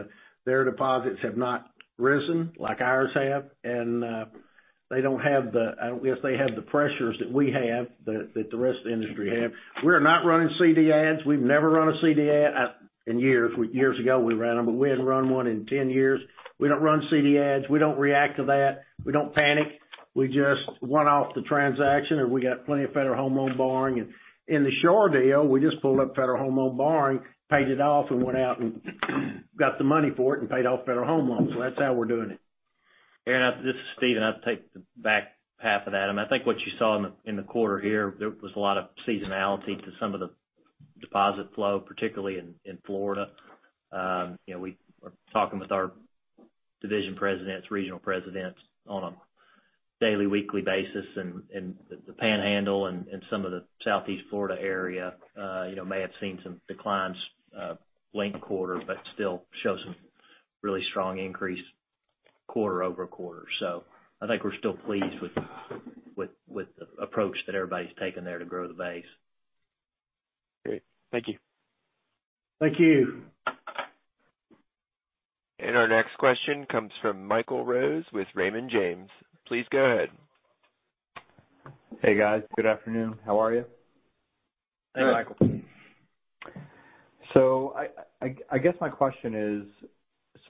their deposits have not risen like ours have. They don't have I don't know if they have the pressures that we have, that the rest of the industry have. We are not running CD ads. We've never run a CD ad in years. Years ago, we ran them, but we hadn't run one in 10 years. We don't run CD ads. We don't react to that. We don't panic. We just went off the transaction, and we got plenty of Federal Home Loan borrowing. In the Shore deal, we just pulled up federal home loan borrowing, paid it off, and went out and got the money for it and paid off federal home loans. That's how we're doing it. Aaron, this is Stephen, I'd take the back half of that. I think what you saw in the quarter here, there was a lot of seasonality to some of the deposit flow, particularly in Florida. We are talking with our division presidents, regional presidents on a daily, weekly basis. The Panhandle and some of the Southeast Florida area may have seen some declines linked-quarter, but still show some really strong increase quarter-over-quarter. I think we're still pleased with the approach that everybody's taken there to grow the base. Great. Thank you. Thank you. Our next question comes from Michael Rose with Raymond James. Please go ahead. Hey, guys. Good afternoon. How are you? Hey, Michael. Good. I guess my question is,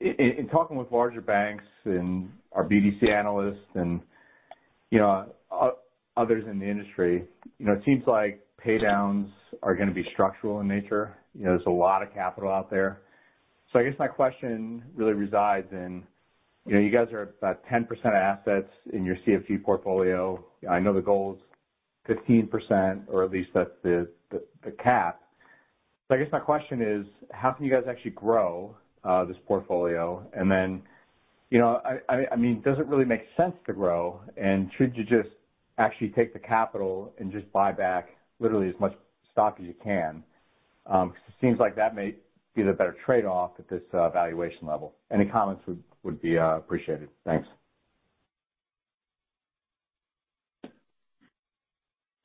in talking with larger banks and our BDC analysts and others in the industry, it seems like paydowns are going to be structural in nature. There's a lot of capital out there. I guess my question really resides in, you guys are at about 10% of assets in your CFG portfolio. I know the goal is 15%, or at least that's the cap. I guess my question is, how can you guys actually grow this portfolio? Does it really make sense to grow? Should you just actually take the capital and just buy back literally as much stock as you can? Because it seems like that may be the better trade-off at this valuation level. Any comments would be appreciated. Thanks.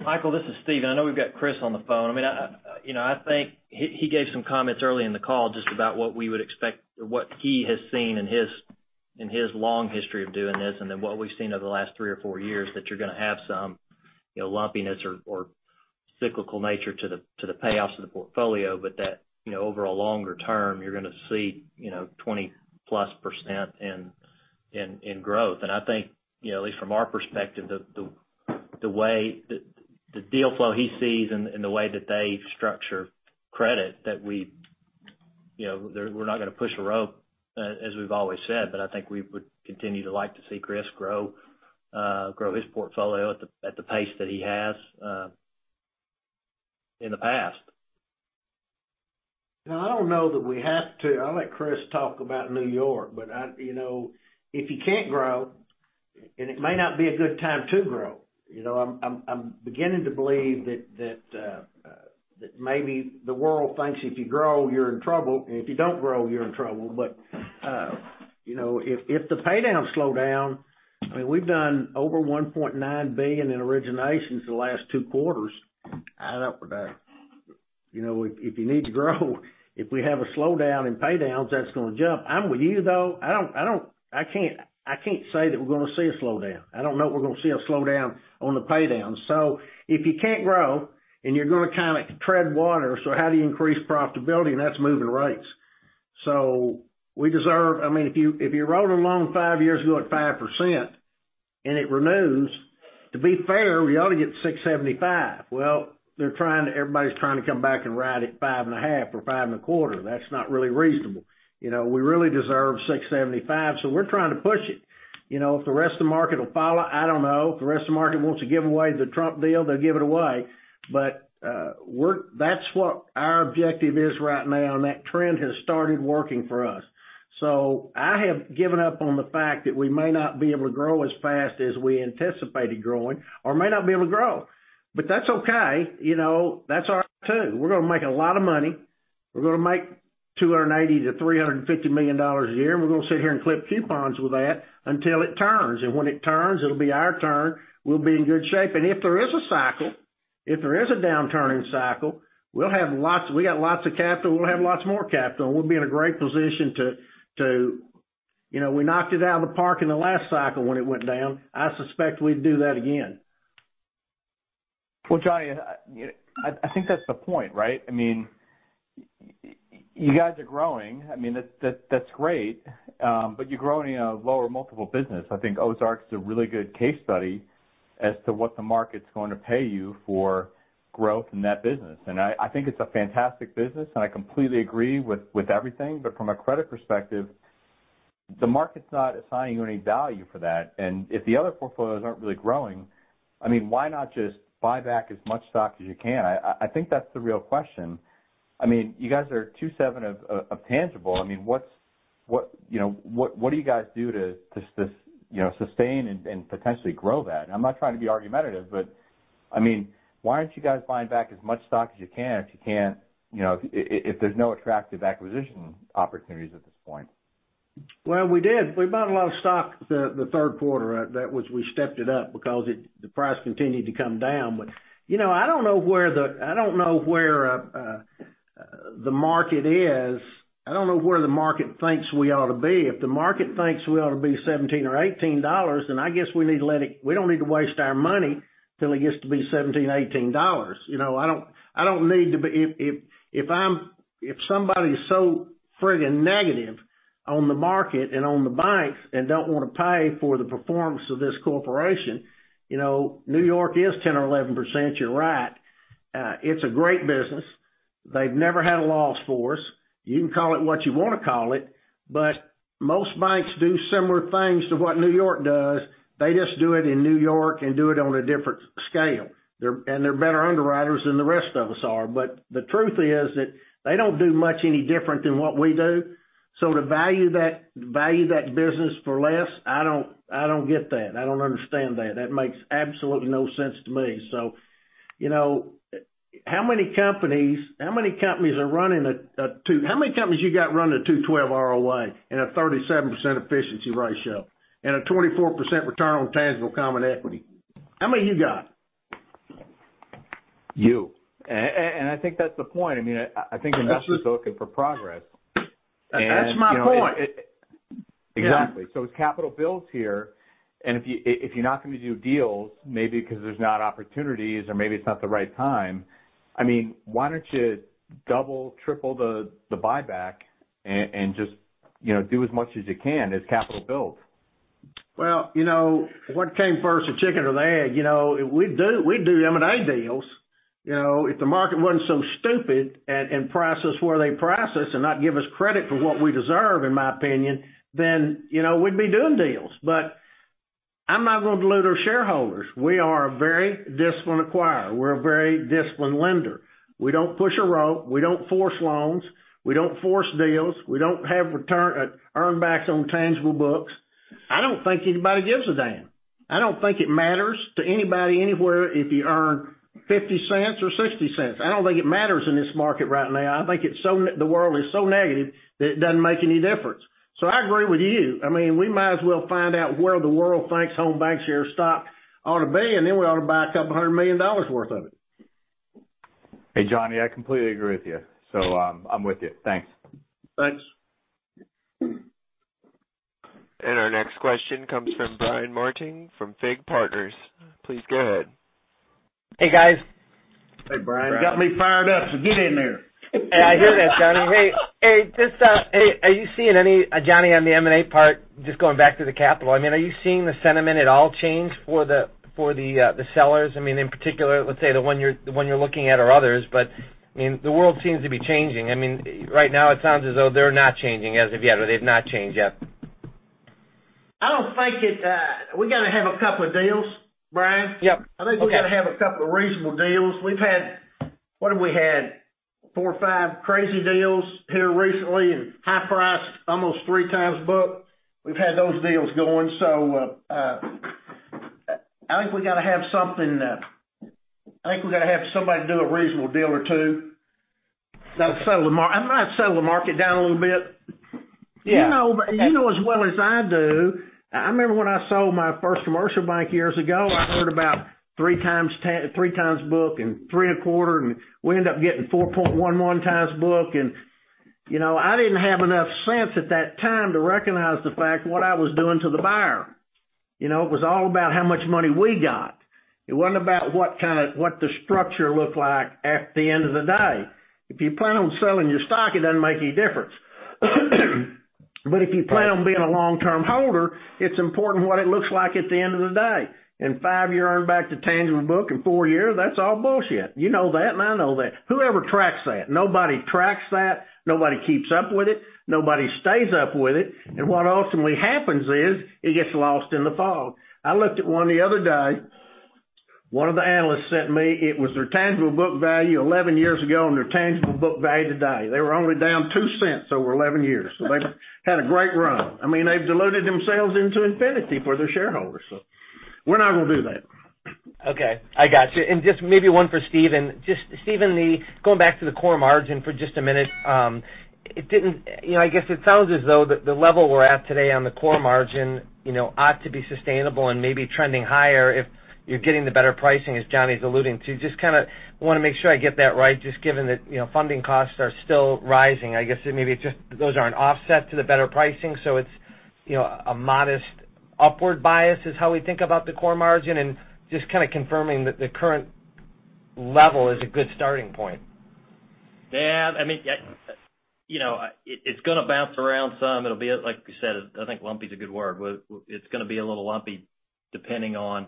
Michael, this is Stephen, I know we've got Chris on the phone. I think he gave some comments early in the call just about what we would expect or what he has seen in his long history of doing this, then what we've seen over the last three or four years, that you're going to have some lumpiness or cyclical nature to the payoffs of the portfolio. That, over a longer term, you're going to see, 20-plus% in growth. I think, at least from our perspective, the way the deal flow he sees and the way that they structure credit, that we're not going to push a rope, as we've always said. I think we would continue to like to see Chris grow his portfolio at the pace that he has in the past. I don't know that we have to-- I let Chris talk about N.Y., if you can't grow, and it may not be a good time to grow. I'm beginning to believe that maybe the world thinks if you grow, you're in trouble, and if you don't grow, you're in trouble. If the paydowns slow down, we've done over $1.9 billion in originations the last two quarters. I don't know if you need to grow. If we have a slowdown in paydowns, that's going to jump. I'm with you, though. I can't say that we're going to see a slowdown. I don't know if we're going to see a slowdown on the paydowns. If you can't grow and you're going to kind of tread water. How do you increase profitability? That's moving rates. We deserve-- If you wrote a loan five years ago at 5% and it renews, to be fair, we ought to get 675. Well, everybody's trying to come back and ride at five and a half or five and a quarter. That's not really reasonable. We really deserve 675, we're trying to push it. If the rest of the market will follow, I don't know. If the rest of the market wants to give away the Trump deal, they'll give it away. That's what our objective is right now, and that trend has started working for us. I have given up on the fact that we may not be able to grow as fast as we anticipated growing or may not be able to grow. That's okay. That's our tune. We're going to make a lot of money. We're going to make $280 million-$350 million a year, we're going to sit here and clip coupons with that until it turns. When it turns, it'll be our turn. We'll be in good shape. If there is a cycle, if there is a downturning cycle, we got lots of capital, we'll have lots more capital, and we'll be in a great position to-- We knocked it out of the park in the last cycle when it went down. I suspect we'd do that again. Jon, I think that's the point, right? You guys are growing. That's great. You're growing in a lower multiple business. I think Ozarks is a really good case study as to what the market's going to pay you for growth in that business. I think it's a fantastic business, and I completely agree with everything. From a credit perspective, the market's not assigning any value for that. If the other portfolios aren't really growing, why not just buy back as much stock as you can? I think that's the real question. You guys are 2.7 of tangible. What do you guys do to sustain and potentially grow that? I'm not trying to be argumentative, why aren't you guys buying back as much stock as you can if there's no attractive acquisition opportunities at this point? We did. We bought a lot of stock the third quarter. We stepped it up because the price continued to come down. I don't know where the market is. I don't know where the market thinks we ought to be. If the market thinks we ought to be $17 or $18, I guess we don't need to waste our money till it gets to be $17, $18. If somebody's so freaking negative on the market and on the banks and don't want to pay for the performance of this corporation, New York is 10% or 11%, you're right. It's a great business. They've never had a loss for us. You can call it what you want to call it, most banks do similar things to what New York does. They just do it in New York and do it on a different scale. They're better underwriters than the rest of us are. The truth is that they don't do much any different than what we do. To value that business for less, I don't get that. I don't understand that. That makes absolutely no sense to me. How many companies you got running a 2.12 ROA and a 37% efficiency ratio and a 24% return on tangible common equity? How many you got? You. I think that's the point. I think investors are looking for progress. That's my point. Exactly. As capital builds here, if you're not going to do deals, maybe because there's not opportunities or maybe it's not the right time, why don't you double, triple the buyback and just do as much as you can as capital builds? What came first, the chicken or the egg? We'd do M&A deals. If the market wasn't so stupid and price us where they price us and not give us credit for what we deserve, in my opinion, then we'd be doing deals. I'm not going to dilute our shareholders. We are a very disciplined acquirer. We're a very disciplined lender. We don't push a rope. We don't force loans. We don't force deals. We don't have earn backs on tangible books. I don't think anybody gives a damn. I don't think it matters to anybody anywhere if you earn $0.50 or $0.60. I don't think it matters in this market right now. I think the world is so negative that it doesn't make any difference. I agree with you. We might as well find out where the world thinks Home Bancshares stock ought to be, then we ought to buy $200 million worth of it. Hey, Johnny, I completely agree with you. I'm with you. Thanks. Thanks. Our next question comes from Brian Martin from FIG Partners. Please go ahead. Hey, guys. Hey, Brian. You got me fired up, get in there. I hear that, Johnny. Hey. Are you seeing any, Johnny, on the M&A part, just going back to the capital, are you seeing the sentiment at all change for the sellers? In particular, let's say the one you're looking at or others, the world seems to be changing. Right now it sounds as though they're not changing as of yet, or they've not changed yet. We got to have a couple of deals, Brian. Yep. Okay. I think we got to have a couple of reasonable deals. We've had, what have we had? Four or five crazy deals hit her recently and high priced, almost three times book. We've had those deals going. I think we got to have somebody do a reasonable deal or two. That'll settle the market down a little bit. Yeah. You know as well as I do, I remember when I sold my first commercial bank years ago, I heard about three times book and three and a quarter, and we end up getting 4.11 times book. I didn't have enough sense at that time to recognize the fact what I was doing to the buyer. It was all about how much money we got. It wasn't about what the structure looked like at the end of the day. If you plan on selling your stock, it doesn't make any difference. If you plan on being a long-term holder, it's important what it looks like at the end of the day. In five year earn back to tangible book, in four years, that's all bullshit. You know that, and I know that. Whoever tracks that? Nobody tracks that. Nobody keeps up with it. Nobody stays up with it. What ultimately happens is, it gets lost in the fog. I looked at one the other day. One of the analysts sent me, it was their tangible book value 11 years ago, and their tangible book value today. They were only down $0.02 over 11 years. They've had a great run. They've diluted themselves into infinity for their shareholders, we're not going to do that. Okay. I got you. Just maybe one for Stephen. Stephen, going back to the core margin for just a minute. I guess it sounds as though the level we're at today on the core margin ought to be sustainable and maybe trending higher if you're getting the better pricing, as Johnny's alluding to. Just kind of want to make sure I get that right, just given that funding costs are still rising. I guess maybe it's just those aren't offset to the better pricing, so it's a modest upward bias is how we think about the core margin, and just kind of confirming that the current level is a good starting point. Yeah. It's going to bounce around some. It'll be, like you said, I think lumpy is a good word. It's going to be a little lumpy depending on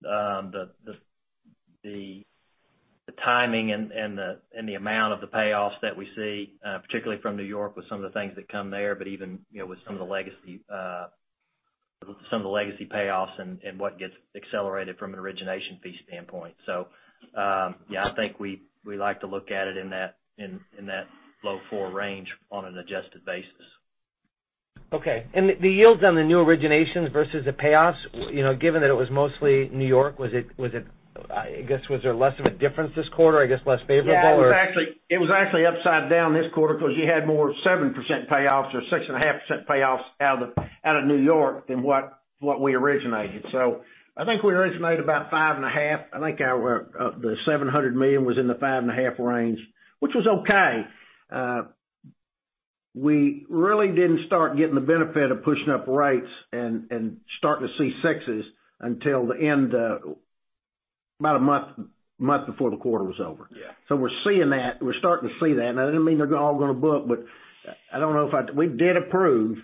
the- The timing and the amount of the payoffs that we see, particularly from New York with some of the things that come there, but even with some of the legacy payoffs and what gets accelerated from an origination fee standpoint. Yeah, I think we like to look at it in that low four range on an adjusted basis. Okay. The yields on the new originations versus the payoffs, given that it was mostly New York, I guess, was there less of a difference this quarter? I guess, less favorable, or- Yeah, it was actually upside down this quarter because you had more 7% payoffs or 6.5% payoffs out of New York than what we originated. I think we originated about five and a half. I think the $700 million was in the five and a half range, which was okay. We really didn't start getting the benefit of pushing up rates and starting to see sixes until about a month before the quarter was over. Yeah. We're starting to see that. That doesn't mean they're all going to book, but I don't know if I. We did approve,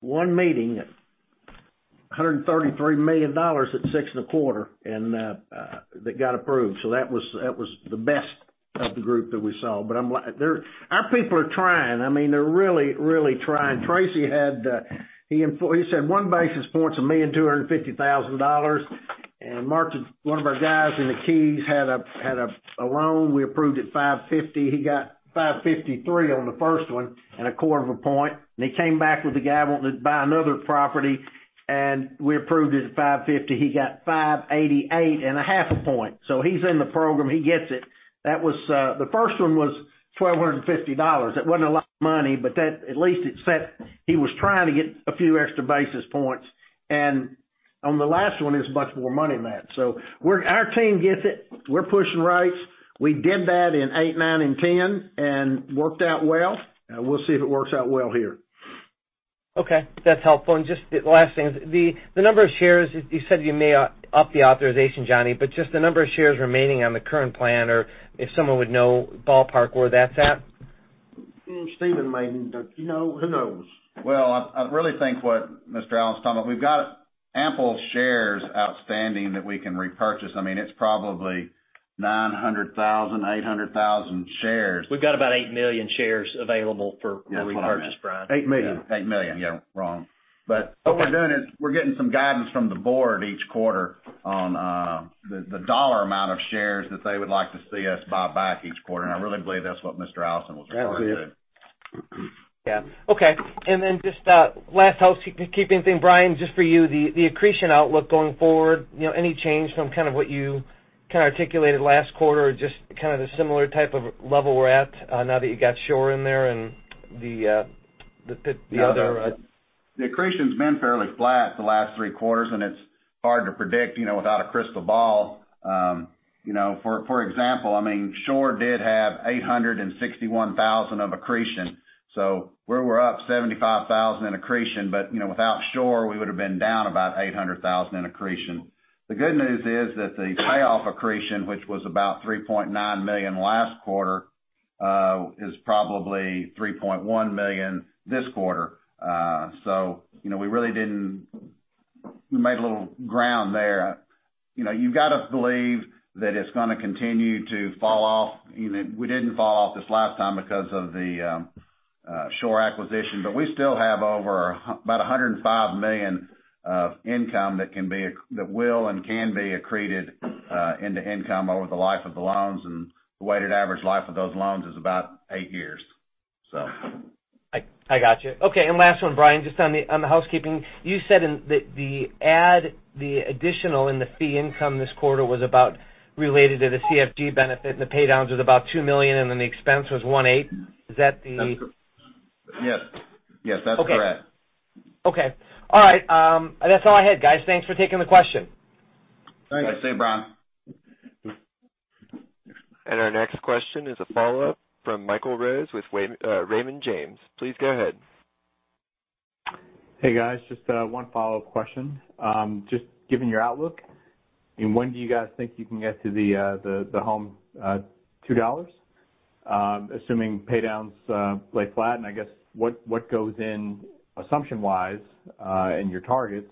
one meeting, $133 million at six and a quarter, and that got approved. That was the best of the group that we saw. Our people are trying. They're really trying. Tracy, he said one basis point's a $1,250,000. Martin, one of our guys in the Keys, had a loan we approved at 550. He got 553 on the first one and a quarter of a point. He came back with a guy wanting to buy another property, and we approved it at 550. He got 588 and a half a point. He's in the program. He gets it. The first one was $1,250. It wasn't a lot of money, but at least it set. He was trying to get a few extra basis points. On the last one, it's much more money, Matt. Our team gets it. We're pushing rates. We did that in eight, nine, and ten, and worked out well. We'll see if it works out well here. That's helpful. Just the last thing is, the number of shares, you said you may up the authorization, Johnny, but just the number of shares remaining on the current plan, or if someone would know, ballpark where that's at? Stephen may. Do you know? Who knows? I really think what Mr. Allison's talking about, we've got ample shares outstanding that we can repurchase. It's probably 900,000, 800,000 shares. We've got about 8 million shares available for repurchase, Brian. 8 million. 8 million. Yeah, wrong. What we're doing is we're getting some guidance from the board each quarter on the dollar amount of shares that they would like to see us buy back each quarter, and I really believe that's what Mr. Allison was referring to. That's it. Okay, just last housekeeping thing, Brian, just for you, the accretion outlook going forward, any change from what you kind of articulated last quarter or just kind of the similar type of level we're at now that you got Shore in there and the other- The accretion's been fairly flat the last three quarters, it's hard to predict without a crystal ball. For example, Shore did have $861,000 of accretion. We were up $75,000 in accretion, but without Shore, we would've been down about $800,000 in accretion. The good news is that the payoff accretion, which was about $3.9 million last quarter, is probably $3.1 million this quarter. We made a little ground there. You've got to believe that it's going to continue to fall off. We didn't fall off this last time because of the Shore acquisition, but we still have over about $105 million of income that will and can be accreted into income over the life of the loans, and the weighted average life of those loans is about eight years. I got you. Okay, last one, Brian, just on the housekeeping. You said the additional in the fee income this quarter was about related to the CFG benefit, the paydowns was about $2 million, the expense was one eight. Is that the- Yes. That's correct. Okay. All right. That's all I had, guys. Thanks for taking the question. Thanks. Same, Brian. Our next question is a follow-up from Michael Rose with Raymond James. Please go ahead. Hey, guys, just one follow-up question. Just given your outlook, when do you guys think you can get to the Home $2, assuming paydowns lay flat, and I guess what goes in, assumption-wise, in your targets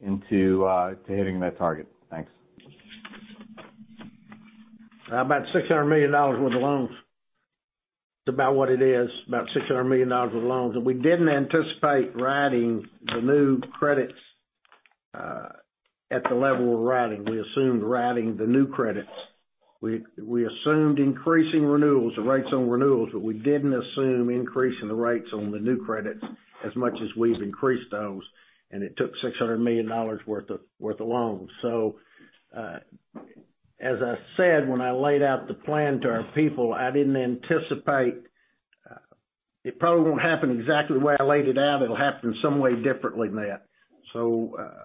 into hitting that target? Thanks. About $600 million worth of loans. It's about what it is, about $600 million worth of loans. We didn't anticipate riding the new credits at the level we're riding. We assumed riding the new credits. We assumed increasing renewals, the rates on renewals, but we didn't assume increasing the rates on the new credits as much as we've increased those, and it took $600 million worth of loans. As I said, when I laid out the plan to our people, it probably won't happen exactly the way I laid it out. It'll happen some way differently than that.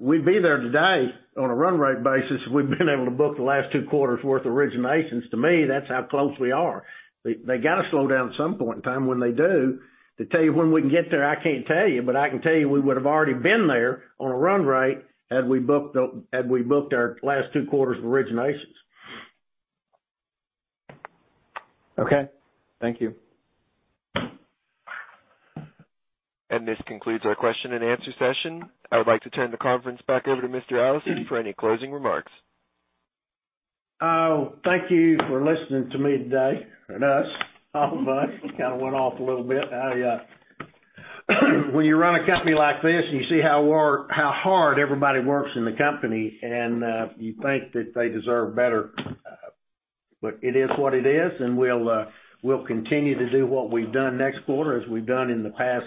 We'd be there today on a run rate basis if we'd been able to book the last two quarters worth of originations. To me, that's how close we are. They got to slow down at some point in time. When they do, to tell you when we can get there, I can't tell you, but I can tell you we would've already been there on a run rate had we booked our last two quarters of originations. Okay. Thank you. This concludes our question and answer session. I would like to turn the conference back over to Mr. Allison for any closing remarks. Thank you for listening to me today. Us, all of us. Kind of went off a little bit. When you run a company like this and you see how hard everybody works in the company, you think that they deserve better. It is what it is, and we'll continue to do what we've done next quarter as we've done in the past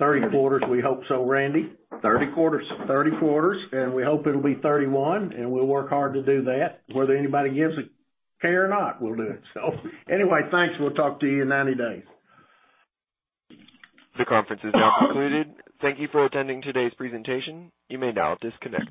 30 quarters. We hope so, Randy. 30 quarters. 30 quarters, we hope it'll be 31, we'll work hard to do that. Whether anybody gives a care or not, we'll do it. Anyway, thanks. We'll talk to you in 90 days. The conference is now concluded. Thank you for attending today's presentation. You may now disconnect.